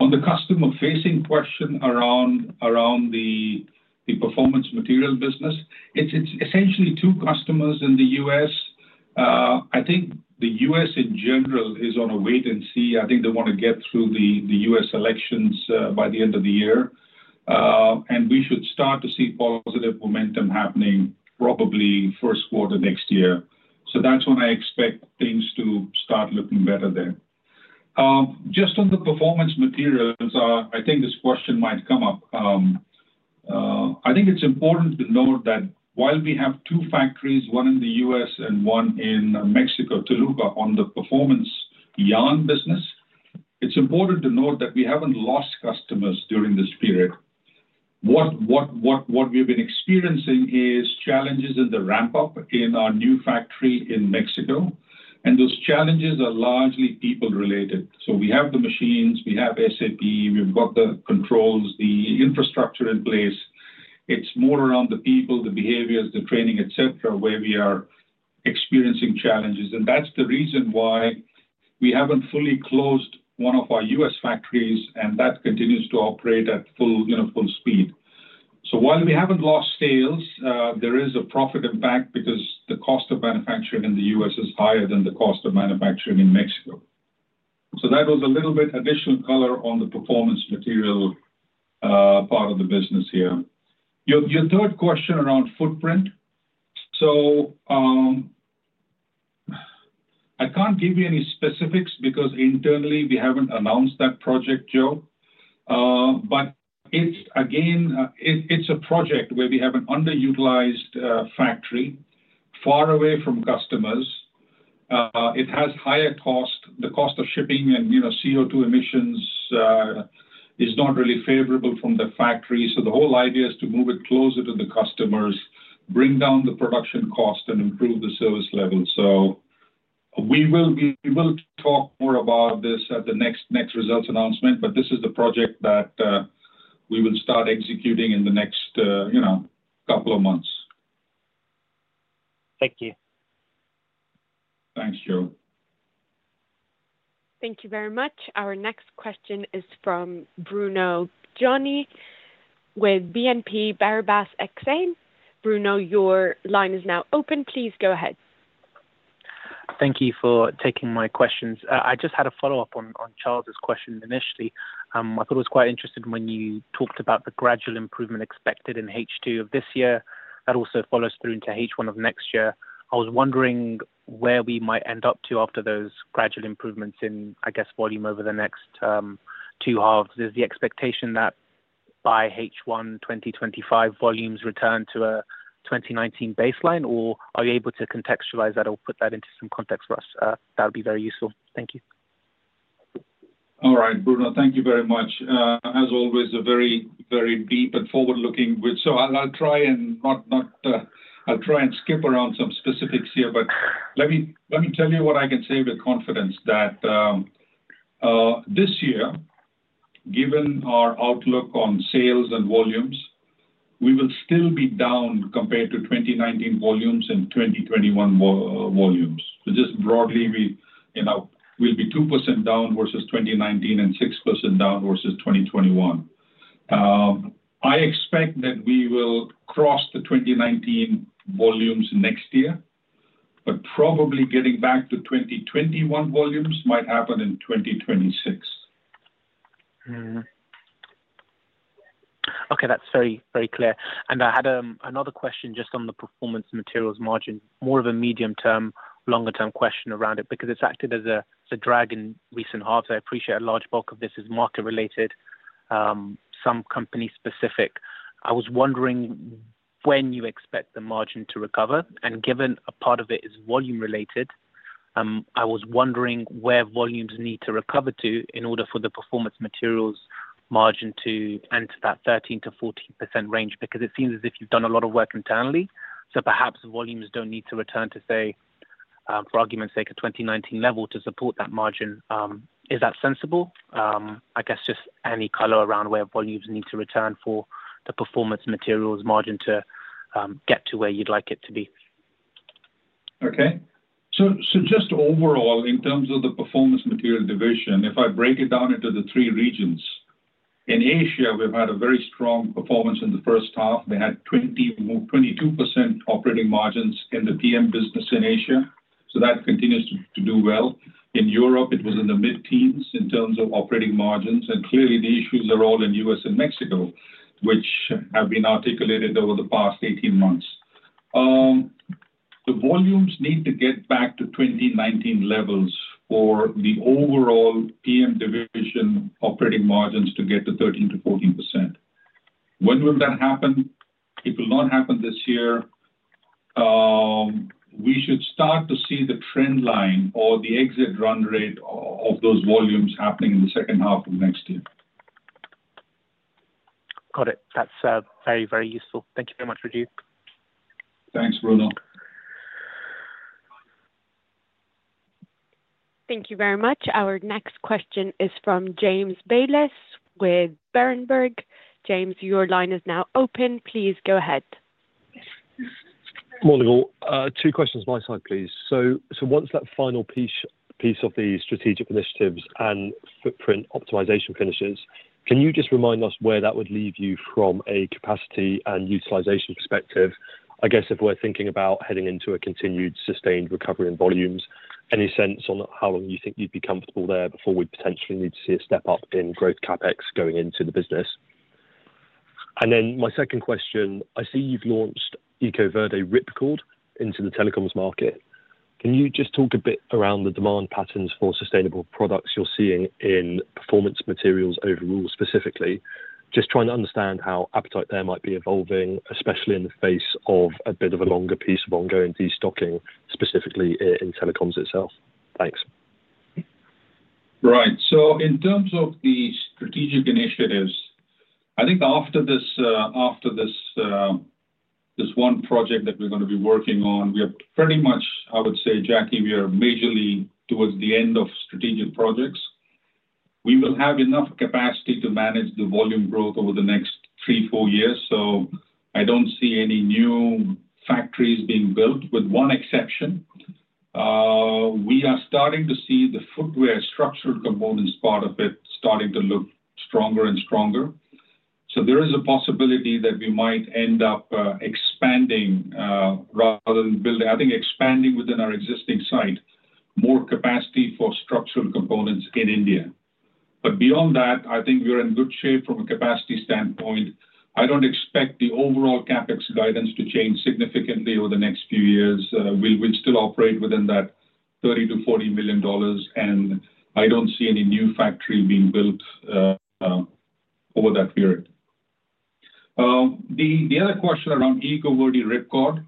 On the customer facing question around, around the, the Performance Materials business, it's, it's essentially two customers in the U.S. I think the U.S. in general is on a wait and see. I think they want to get through the, the U.S. elections, by the end of the year. We should start to see positive momentum happening probably first quarter next year. That's when I expect things to start looking better there. Just on the Performance Materials, I think this question might come up. I think it's important to note that while we have two factories, one in the U.S. and one in Mexico, Toluca on the performance yarn business, it's important to note that we haven't lost customers during this period. What we've been experiencing is challenges in the ramp up in our new factory in Mexico. And those challenges are largely people related. So we have the machines, we have SAP, we've got the controls, the infrastructure in place. It's more around the people, the behaviors, the training, et cetera, where we are experiencing challenges. And that's the reason why we haven't fully closed one of our U.S. factories and that continues to operate at full, you know, full speed. So while we haven't lost sales, there is a profit impact because the cost of manufacturing in the U.S. is higher than the cost of manufacturing in Mexico. So that was a little bit additional color on the performance material, part of the business here. Your, your third question around footprint. So, I can't give you any specifics because internally we haven't announced that project, Joe. But it's again, it's, it's a project where we have an underutilized, factory far away from customers. It has higher cost, the cost of shipping and, you know, CO2 emissions, is not really favorable from the factory. So the whole idea is to move it closer to the customers, bring down the production cost and improve the service level. So we will, we will talk more about this at the next, next results announcement, but this is the project that, we will start executing in the next, you know, couple of months. Thank you. Thanks, Joe. Thank you very much. Our next question is from Bruno Gjani with BNP Paribas Exane. Bruno, your line is now open. Please go ahead. Thank you for taking my questions. I just had a follow-up on, on Charles's question initially. I thought it was quite interesting when you talked about the gradual improvement expected in H2 of this year. That also follows through into H1 of next year. I was wondering where we might end up to after those gradual improvements in, I guess, volume over the next, two halves. Is the expectation that by H1 2025 volumes return to a 2019 baseline or are you able to contextualize that or put that into some context for us? That would be very useful. Thank you. All right, Bruno, thank you very much. As always, a very brief but forward-looking, so I'll try and skip around some specifics here, but let me tell you what I can say with confidence. This year, given our outlook on sales and volumes, we will still be down compared to 2019 volumes and 2021 volumes. So just broadly, we, you know, we'll be 2% down versus 2019 and 6% down versus 2021. I expect that we will cross the 2019 volumes next year, but probably getting back to 2021 volumes might happen in 2026. Okay, that's very clear. And I had another question just on the Performance Materials margin, more of a medium-term, longer-term question around it because it's acted as a drag in recent halves. I appreciate a large bulk of this is market related, some company specific. I was wondering when you expect the margin to recover and given a part of it is volume related, I was wondering where volumes need to recover to in order for the Performance Materials margin to enter that 13%-14% range because it seems as if you've done a lot of work internally. So perhaps volumes don't need to return to say, for argument's sake, a 2019 level to support that margin. Is that sensible? I guess just any color around where volumes need to return for the Performance Materials margin to, get to where you'd like it to be. Okay. So, so just overall in terms of the Performance Materials division, if I break it down into the three regions, in Asia, we've had a very strong performance in the first half. They had 20%-22% operating margins in the PM business in Asia. So that continues to do well. In Europe, it was in the mid-teens in terms of operating margins. Clearly the issues are all in U.S. and Mexico, which have been articulated over the past 18 months. The volumes need to get back to 2019 levels for the overall PM division operating margins to get to 13%-14%. When will that happen? It will not happen this year. We should start to see the trend line or the exit run rate of those volumes happening in the second half of next year. Got it. That's very, very useful. Thank you very much, Rajiv. Thanks, Bruno. Thank you very much. Our next question is from James Bayliss with Berenberg. James, your line is now open. Please go ahead. Morning, two questions by side, please. So once that final piece of the strategic initiatives and footprint optimization finishes, can you just remind us where that would leave you from a capacity and utilization perspective? I guess if we're thinking about heading into a continued sustained recovery in volumes, any sense on how long you think you'd be comfortable there before we'd potentially need to see a step up in growth CapEx going into the business? And then my second question, I see you've launched EcoVerde Ripcord into the telecoms market. Can you just talk a bit around the demand patterns for sustainable products you're seeing in Performance Materials overall specifically, just trying to understand how appetite there might be evolving, especially in the face of a bit of a longer piece of ongoing destocking, specifically in telecoms itself? Thanks. Right. So in terms of the strategic initiatives, I think after this, after this, this one project that we're going to be working on, we are pretty much, I would say, Jackie, we are majorly towards the end of strategic projects. We will have enough capacity to manage the volume growth over the next 3-4 years. So I don't see any new factories being built with one exception. We are starting to see the footwear structural components part of it starting to look stronger and stronger. So there is a possibility that we might end up, expanding, rather than building, I think expanding within our existing site, more capacity for structural components in India. But beyond that, I think we are in good shape from a capacity standpoint. I don't expect the overall CapEx guidance to change significantly over the next few years. We would still operate within that $30 million-$40 million, and I don't see any new factory being built over that period. The other question around EcoVerde Ripcord.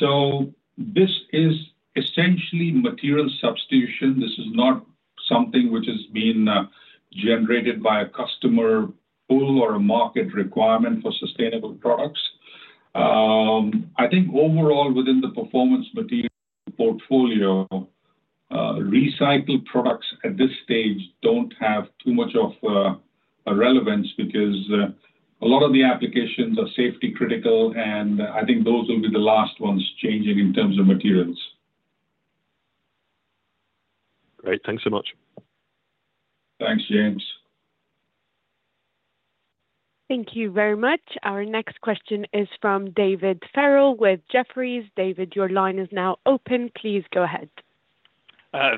So this is essentially material substitution. This is not something which has been generated by a customer pool or a market requirement for sustainable products. I think overall within the Performance Materials portfolio, recycled products at this stage don't have too much of a relevance because a lot of the applications are safety critical, and I think those will be the last ones changing in terms of materials. Great. Thanks so much. Thanks, James. Thank you very much. Our next question is from David Farrell with Jefferies. David, your line is now open. Please go ahead.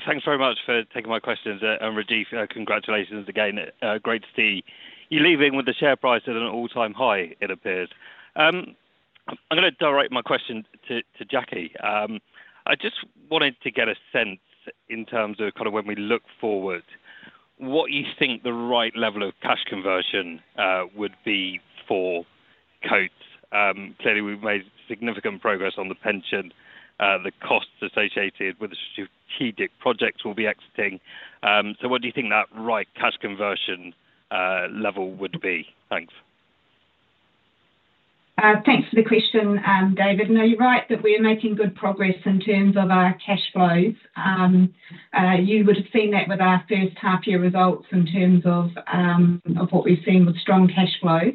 Thanks very much for taking my questions. And Rajiv, congratulations again. Great to see you leaving with the share price at an all-time high, it appears. I'm going to direct my question to Jackie. I just wanted to get a sense in terms of kind of when we look forward, what you think the right level of cash conversion would be for Coats. Clearly we've made significant progress on the pension, the costs associated with the strategic projects we'll be exiting. So what do you think that right cash conversion level would be? Thanks. Thanks for the question. David, no, you're right that we are making good progress in terms of our cash flows. You would have seen that with our first half year results in terms of what we've seen with strong cash flows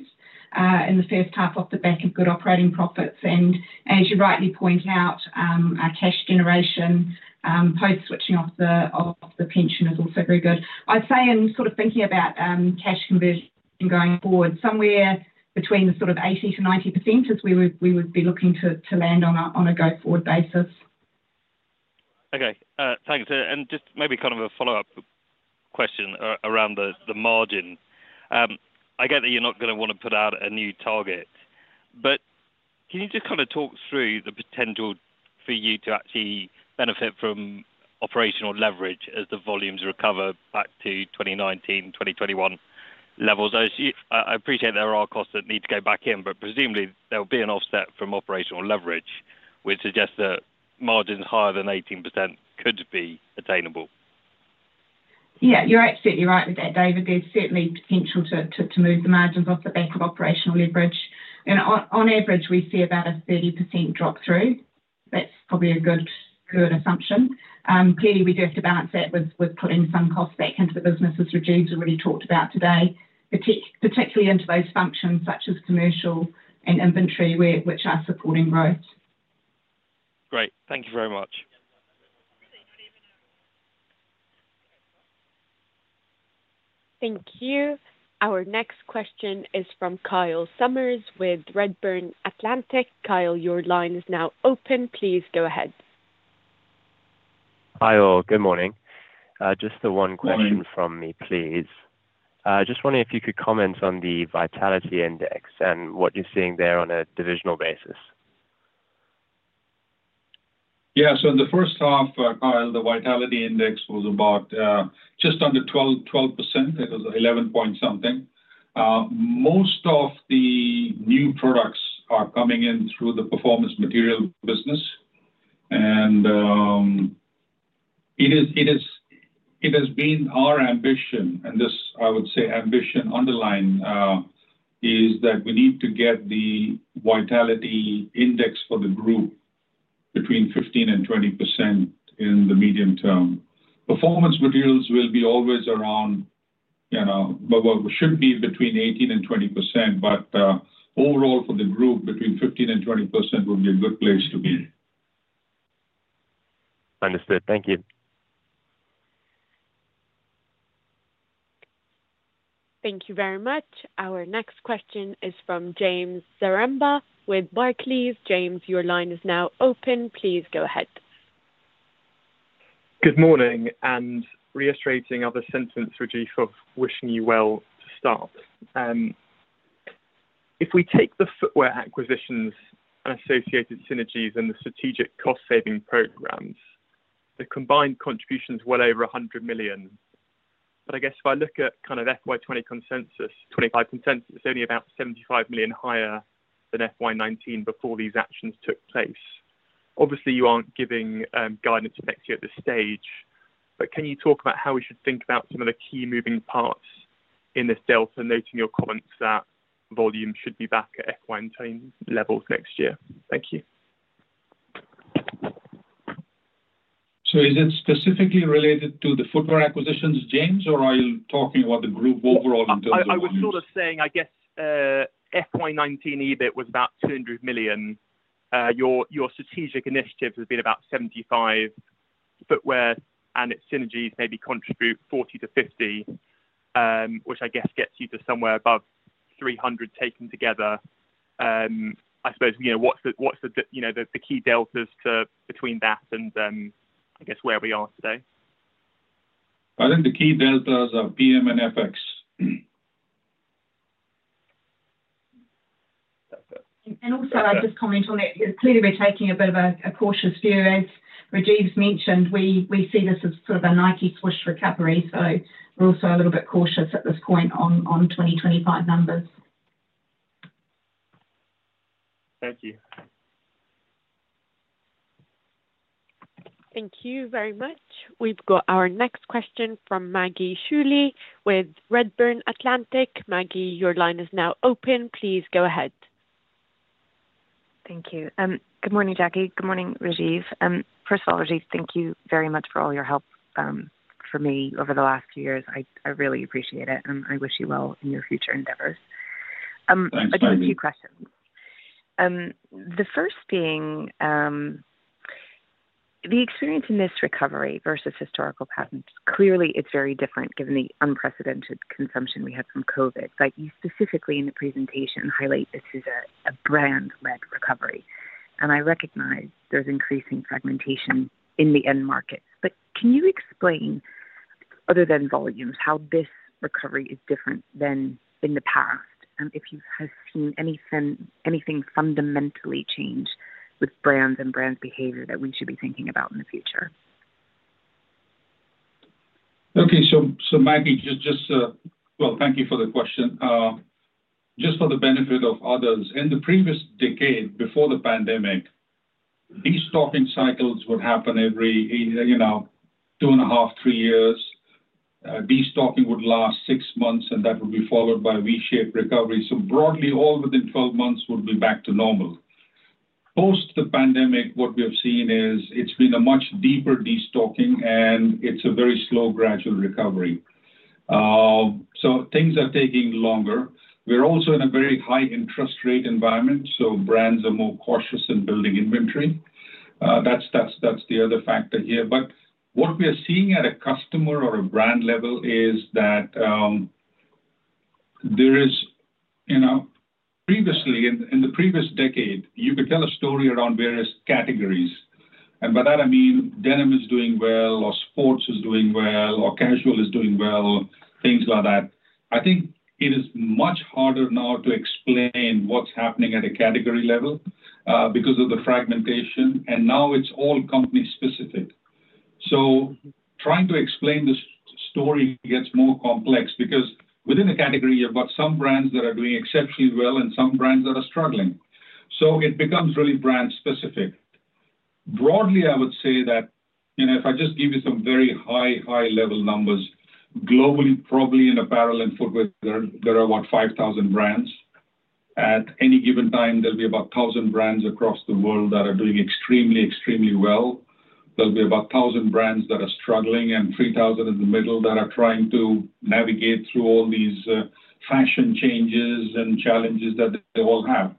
in the first half off the back of good operating profits. And as you rightly point out, our cash generation, both switching off the, off the pension is also very good. I'd say in sort of thinking about, cash conversion going forward, somewhere between the sort of 80%-90% is where we would, we would be looking to, to land on a, on a go forward basis. Okay. Thanks. And just maybe kind of a follow-up question around the, the margin. I get that you're not going to want to put out a new target, but can you just kind of talk through the potential for you to actually benefit from operational leverage as the volumes recover back to 2019, 2021 levels? As you, I appreciate there are costs that need to go back in, but presumably there'll be an offset from operational leverage, which suggests that margins higher than 18% could be attainable. Yeah, you're absolutely right with that, David. There's certainly potential to move the margins off the back of operational leverage. And on average, we see about a 30% drop through. That's probably a good assumption. Clearly we do have to balance that with putting some costs back into the business, which James already talked about today, particularly into those functions such as commercial and inventory which are supporting growth. Great. Thank you very much. Thank you. Our next question is from Kyle Summers with Redburn Atlantic. Kyle, your line is now open. Please go ahead. Hi, all. Good morning. Just the one question from me, please. Just wondering if you could comment on the Vitality Index and what you're seeing there on a divisional basis. Yeah. So in the first half, Kyle, the Vitality Index was about just under 12%. It was 11 point something. Most of the new products are coming in through the Performance Materials business. It is, it is, it has been our ambition, and this, I would say, ambition underline, is that we need to get the Vitality Index for the group between 15%-20% in the medium term. Performance Materials will be always around, you know, well, well, we should be between 18%-20%, but, overall for the group, between 15%-20% would be a good place to be. Understood. Thank you. Thank you very much. Our next question is from James Zaremba with Barclays. James, your line is now open. Please go ahead. Good morning and reiterating other sentiments, Rajiv, of wishing you well to start. If we take the footwear acquisitions and associated synergies and the strategic cost saving programs, the combined contribution is well over $100 million. But I guess if I look at kind of FY 2020 consensus, FY 2025 consensus, it's only about $75 million higher than FY 2019 before these actions took place. Obviously, you aren't giving guidance to next year at this stage, but can you talk about how we should think about some of the key moving parts in this delta, noting your comments that volume should be back at FY 2019 levels next year? Thank you. So is it specifically related to the footwear acquisitions, James, or are you talking about the group overall in terms of? I, I was sort of saying, I guess, FY 2019 EBIT was about $200 million. Your, your strategic initiatives have been about 75 footwear, and its synergies maybe contribute 40-50, which I guess gets you to somewhere above 300 taken together. I suppose, you know, what's the, what's the, you know, the, the key deltas to between that and, I guess where we are today? I think the key deltas are PM and FX. And also I'd just comment on it. It's clearly we're taking a bit of a cautious period. Rajiv's mentioned we see this as sort of a Nike swoosh recovery, so we're also a little bit cautious at this point on 2025 numbers. Thank you. Thank you very much. We've got our next question from Maggie Schooley with Redburn Atlantic. Maggie, your line is now open. Please go ahead. Thank you. Good morning, Jackie. Good morning, Rajiv. First of all, Rajiv, thank you very much for all your help, for me over the last few years. I, I really appreciate it. I wish you well in your future endeavors. I do have a few questions. The first being, the experience in this recovery versus historical patterns. Clearly, it's very different given the unprecedented consumption we had from COVID, but you specifically in the presentation highlight this as a, a brand-led recovery. And I recognize there's increasing fragmentation in the end market, but can you explain, other than volumes, how this recovery is different than in the past? If you have seen anything, anything fundamentally change with brands and brand behavior that we should be thinking about in the future? Okay. So, so Maggie, just, just, well, thank you for the question. Just for the benefit of others, in the previous decade, before the pandemic, these stocking cycles would happen every, you know, 2.5-3 years. Destocking would last six months, and that would be followed by V-shaped recovery. So broadly, all within 12 months would be back to normal. Post the pandemic, what we've seen is it's been a much deeper destocking, and it's a very slow, gradual recovery. So things are taking longer. We're also in a very high interest rate environment, so brands are more cautious in building inventory. That's, that's, that's the other factor here. But what we are seeing at a customer or a brand level is that, there is, you know, previously, in the previous decade, you could tell a story around various categories. By that, I mean denim is doing well, or sports is doing well, or casual is doing well, things like that. I think it is much harder now to explain what's happening at a category level, because of the fragmentation, and now it's all company specific. So trying to explain this story gets more complex because within a category, you've got some brands that are doing exceptionally well and some brands that are struggling. So it becomes really brand specific. Broadly, I would say that, you know, if I just give you some very high, high level numbers, globally, probably in apparel and footwear, there are, there are about 5,000 brands. At any given time, there'll be about 1,000 brands across the world that are doing extremely, extremely well. There'll be about 1,000 brands that are struggling and 3,000 in the middle that are trying to navigate through all these, fashion changes and challenges that they all have.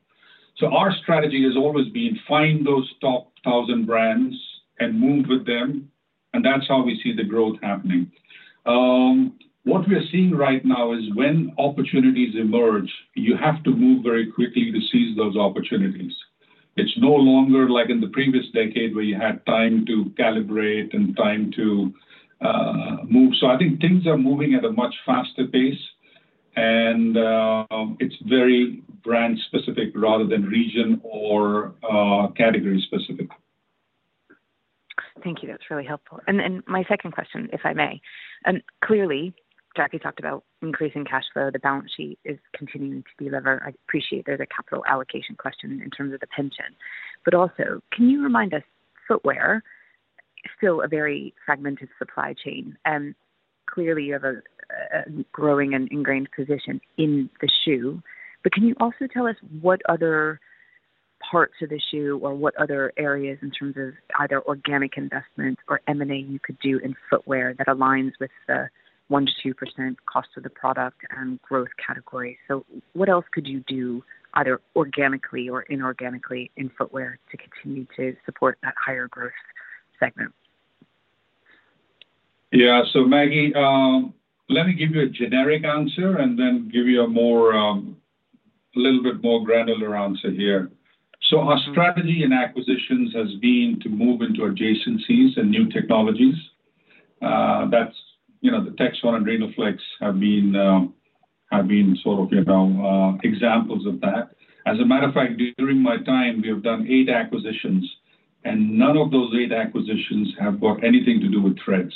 So our strategy has always been to find those top 1,000 brands and move with them, and that's how we see the growth happening. What we are seeing right now is when opportunities emerge, you have to move very quickly to seize those opportunities. It's no longer like in the previous decade where you had time to calibrate and time to, move. So I think things are moving at a much faster pace, and, it's very brand specific rather than region or, category specific. Thank you. That's really helpful. And, and my second question, if I may, clearly, Jackie talked about increasing cash flow. The balance sheet is continuing to be lever. I appreciate there's a capital allocation question in terms of the pension, but also can you remind us, footwear is still a very fragmented supply chain, and clearly you have a growing and ingrained position in the shoe, but can you also tell us what other parts of the shoe or what other areas in terms of either organic investment or M&A you could do in Footwear that aligns with the 1% of the shoe cost of the product and growth category? So what else could you do either organically or inorganically in Footwear to continue to support that higher growth segment? Yeah. So Maggie, let me give you a generic answer and then give you a more, a little bit more granular answer here. So our strategy in acquisitions has been to move into adjacencies and new technologies. That's, you know, the Texon and Rhenoflex have been, have been sort of, you know, examples of that. As a matter of fact, during my time, we have done eight acquisitions, and none of those eight acquisitions have got anything to do with threads.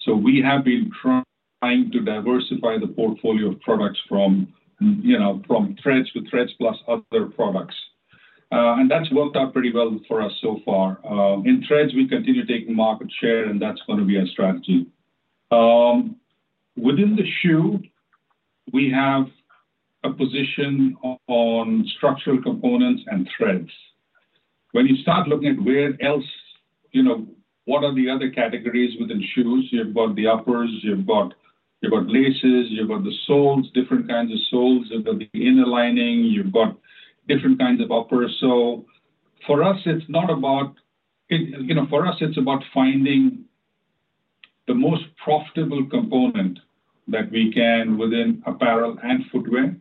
So we have been trying to diversify the portfolio of products from, you know, from threads to threads plus other products. And that's worked out pretty well for us so far. In threads, we continue to take market share, and that's going to be our strategy. Within the shoe, we have a position on structural components and threads. When you start looking at where else, you know, what are the other categories within shoes? You've got the uppers, you've got, you've got laces, you've got the soles, different kinds of soles, you've got the inner lining, you've got different kinds of uppers. So for us, it's not about, you know, for us, it's about finding the most profitable component that we can within apparel and footwear,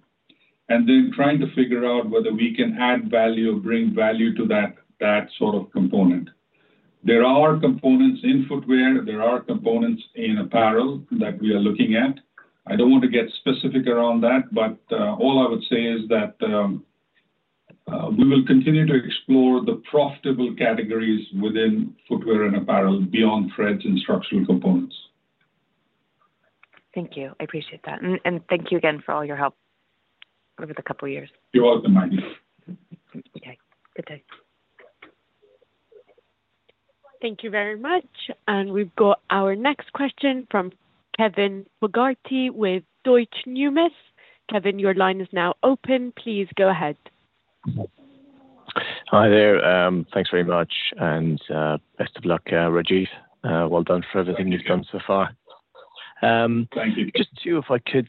and then trying to figure out whether we can add value, bring value to that, that sort of component. There are components in footwear, there are components in apparel that we are looking at. I don't want to get specific around that, but, all I would say is that, we will continue to explore the profitable categories within footwear and apparel beyond threads and structural components. Thank you. I appreciate that. And, and thank you again for all your help over the couple of years. You're welcome, Maggie. Okay. Good day. Thank you very much. And we've got our next question from Kevin Fogarty with Deutsche Numis. Kevin, your line is now open. Please go ahead. Hi there. Thanks very much. And, best of luck, Rajiv. Well done for everything you've done so far. Thank you. Just to, if I could,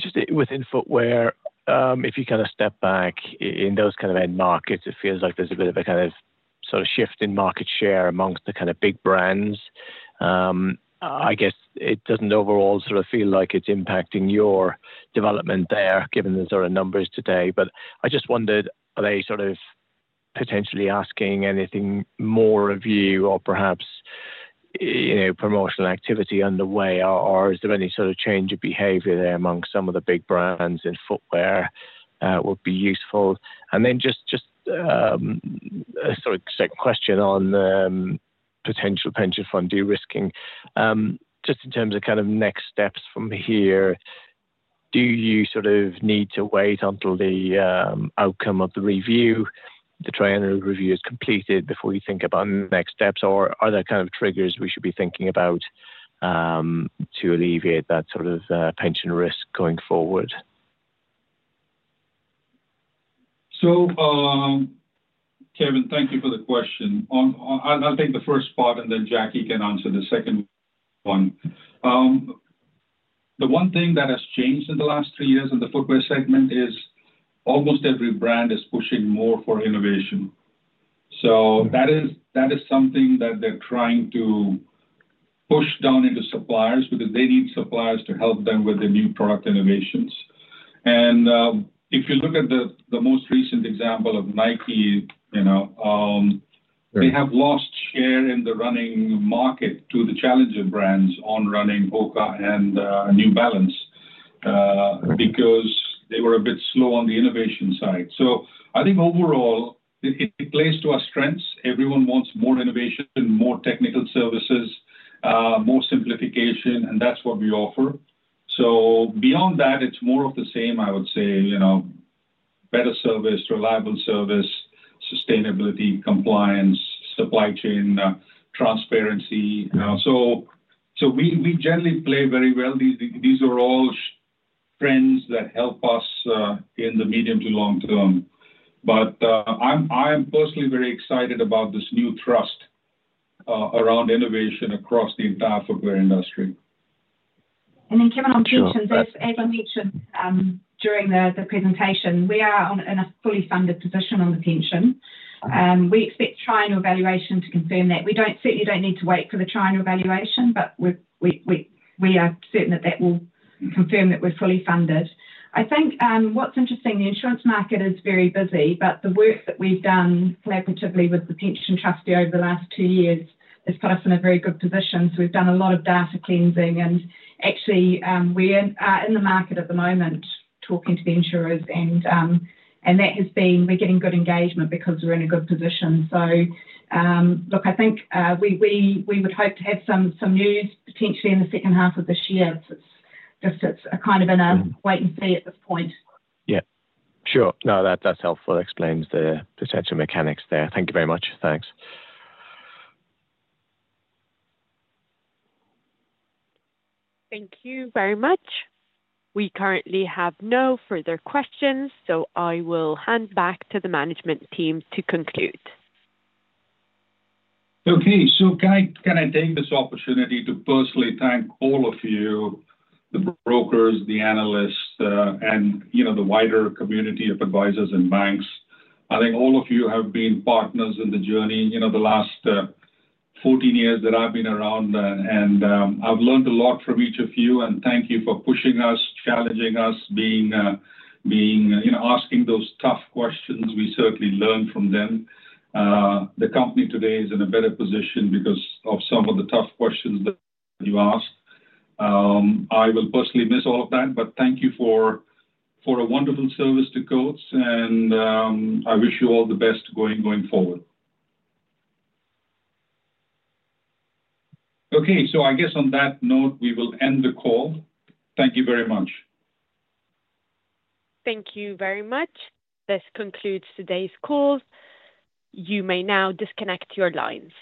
just within Footwear, if you kind of step back in those kind of end markets, it feels like there's a bit of a kind of sort of shift in market share amongst the kind of big brands. I guess it doesn't overall sort of feel like it's impacting your development there given the sort of numbers today, but I just wondered, are they sort of potentially asking anything more of you or perhaps, you know, promotional activity underway, or is there any sort of change of behavior there amongst some of the big brands in footwear, would be useful? And then just, just, a sort of second question on, potential pension fund de-risking, just in terms of kind of next steps from here. Do you sort of need to wait until the outcome of the review, the triennial review is completed before you think about next steps, or are there kind of triggers we should be thinking about, to alleviate that sort of pension risk going forward? So, Kevin, thank you for the question. On, on, I'll take the first part and then Jackie can answer the second one. The one thing that has changed in the last three years in the footwear segment is almost every brand is pushing more for innovation. So that is, that is something that they're trying to push down into suppliers because they need suppliers to help them with the new product innovations. If you look at the most recent example of Nike, you know, they have lost share in the running market to the challenger brands in running Hoka and New Balance, because they were a bit slow on the innovation side. So I think overall, it plays to our strengths. Everyone wants more innovation and more technical services, more simplification, and that's what we offer. So beyond that, it's more of the same, I would say, you know, better service, reliable service, sustainability, compliance, supply chain, transparency. So we generally play very well. These are all trends that help us in the medium to long term. But I'm personally very excited about this new trust around innovation across the entire footwear industry. And then Kevin, I'm curious on this, as I mentioned, during the presentation, we are in a fully funded position on the pension. We expect triennial valuation to confirm that. We don't say you don't need to wait for the triennial valuation, but we are certain that that will confirm that we're fully funded. I think, what's interesting, the insurance market is very busy, but the work that we've done collaboratively with the Pension Trustee over the last two years has put us in a very good position. So we've done a lot of data cleansing and actually, we're in the market at the moment talking to the insurers and that has been, we're getting good engagement because we're in a good position. So, look, I think we would hope to have some news potentially in the second half of this year. It's just a kind of in a wait and see at this point. Yeah. Sure. No, that's helpful. It explains the potential mechanics there. Thank you very much. Thanks. Thank you very much. We currently have no further questions, so I will hand back to the management team to conclude. Okay. So can I take this opportunity to personally thank all of you, the brokers, the analysts, and, you know, the wider community of advisors and banks? I think all of you have been partners in the journey, you know, the last 14 years that I've been around, and I've learned a lot from each of you, and thank you for pushing us, challenging us, being, you know, asking those tough questions. We certainly learned from them. The company today is in a better position because of some of the tough questions that you asked. I will personally miss all of that, but thank you for, for a wonderful service to Coats, and, I wish you all the best going, going forward. Okay. So I guess on that note, we will end the call. Thank you very much. Thank you very much. This concludes today's call. You may now disconnect your lines.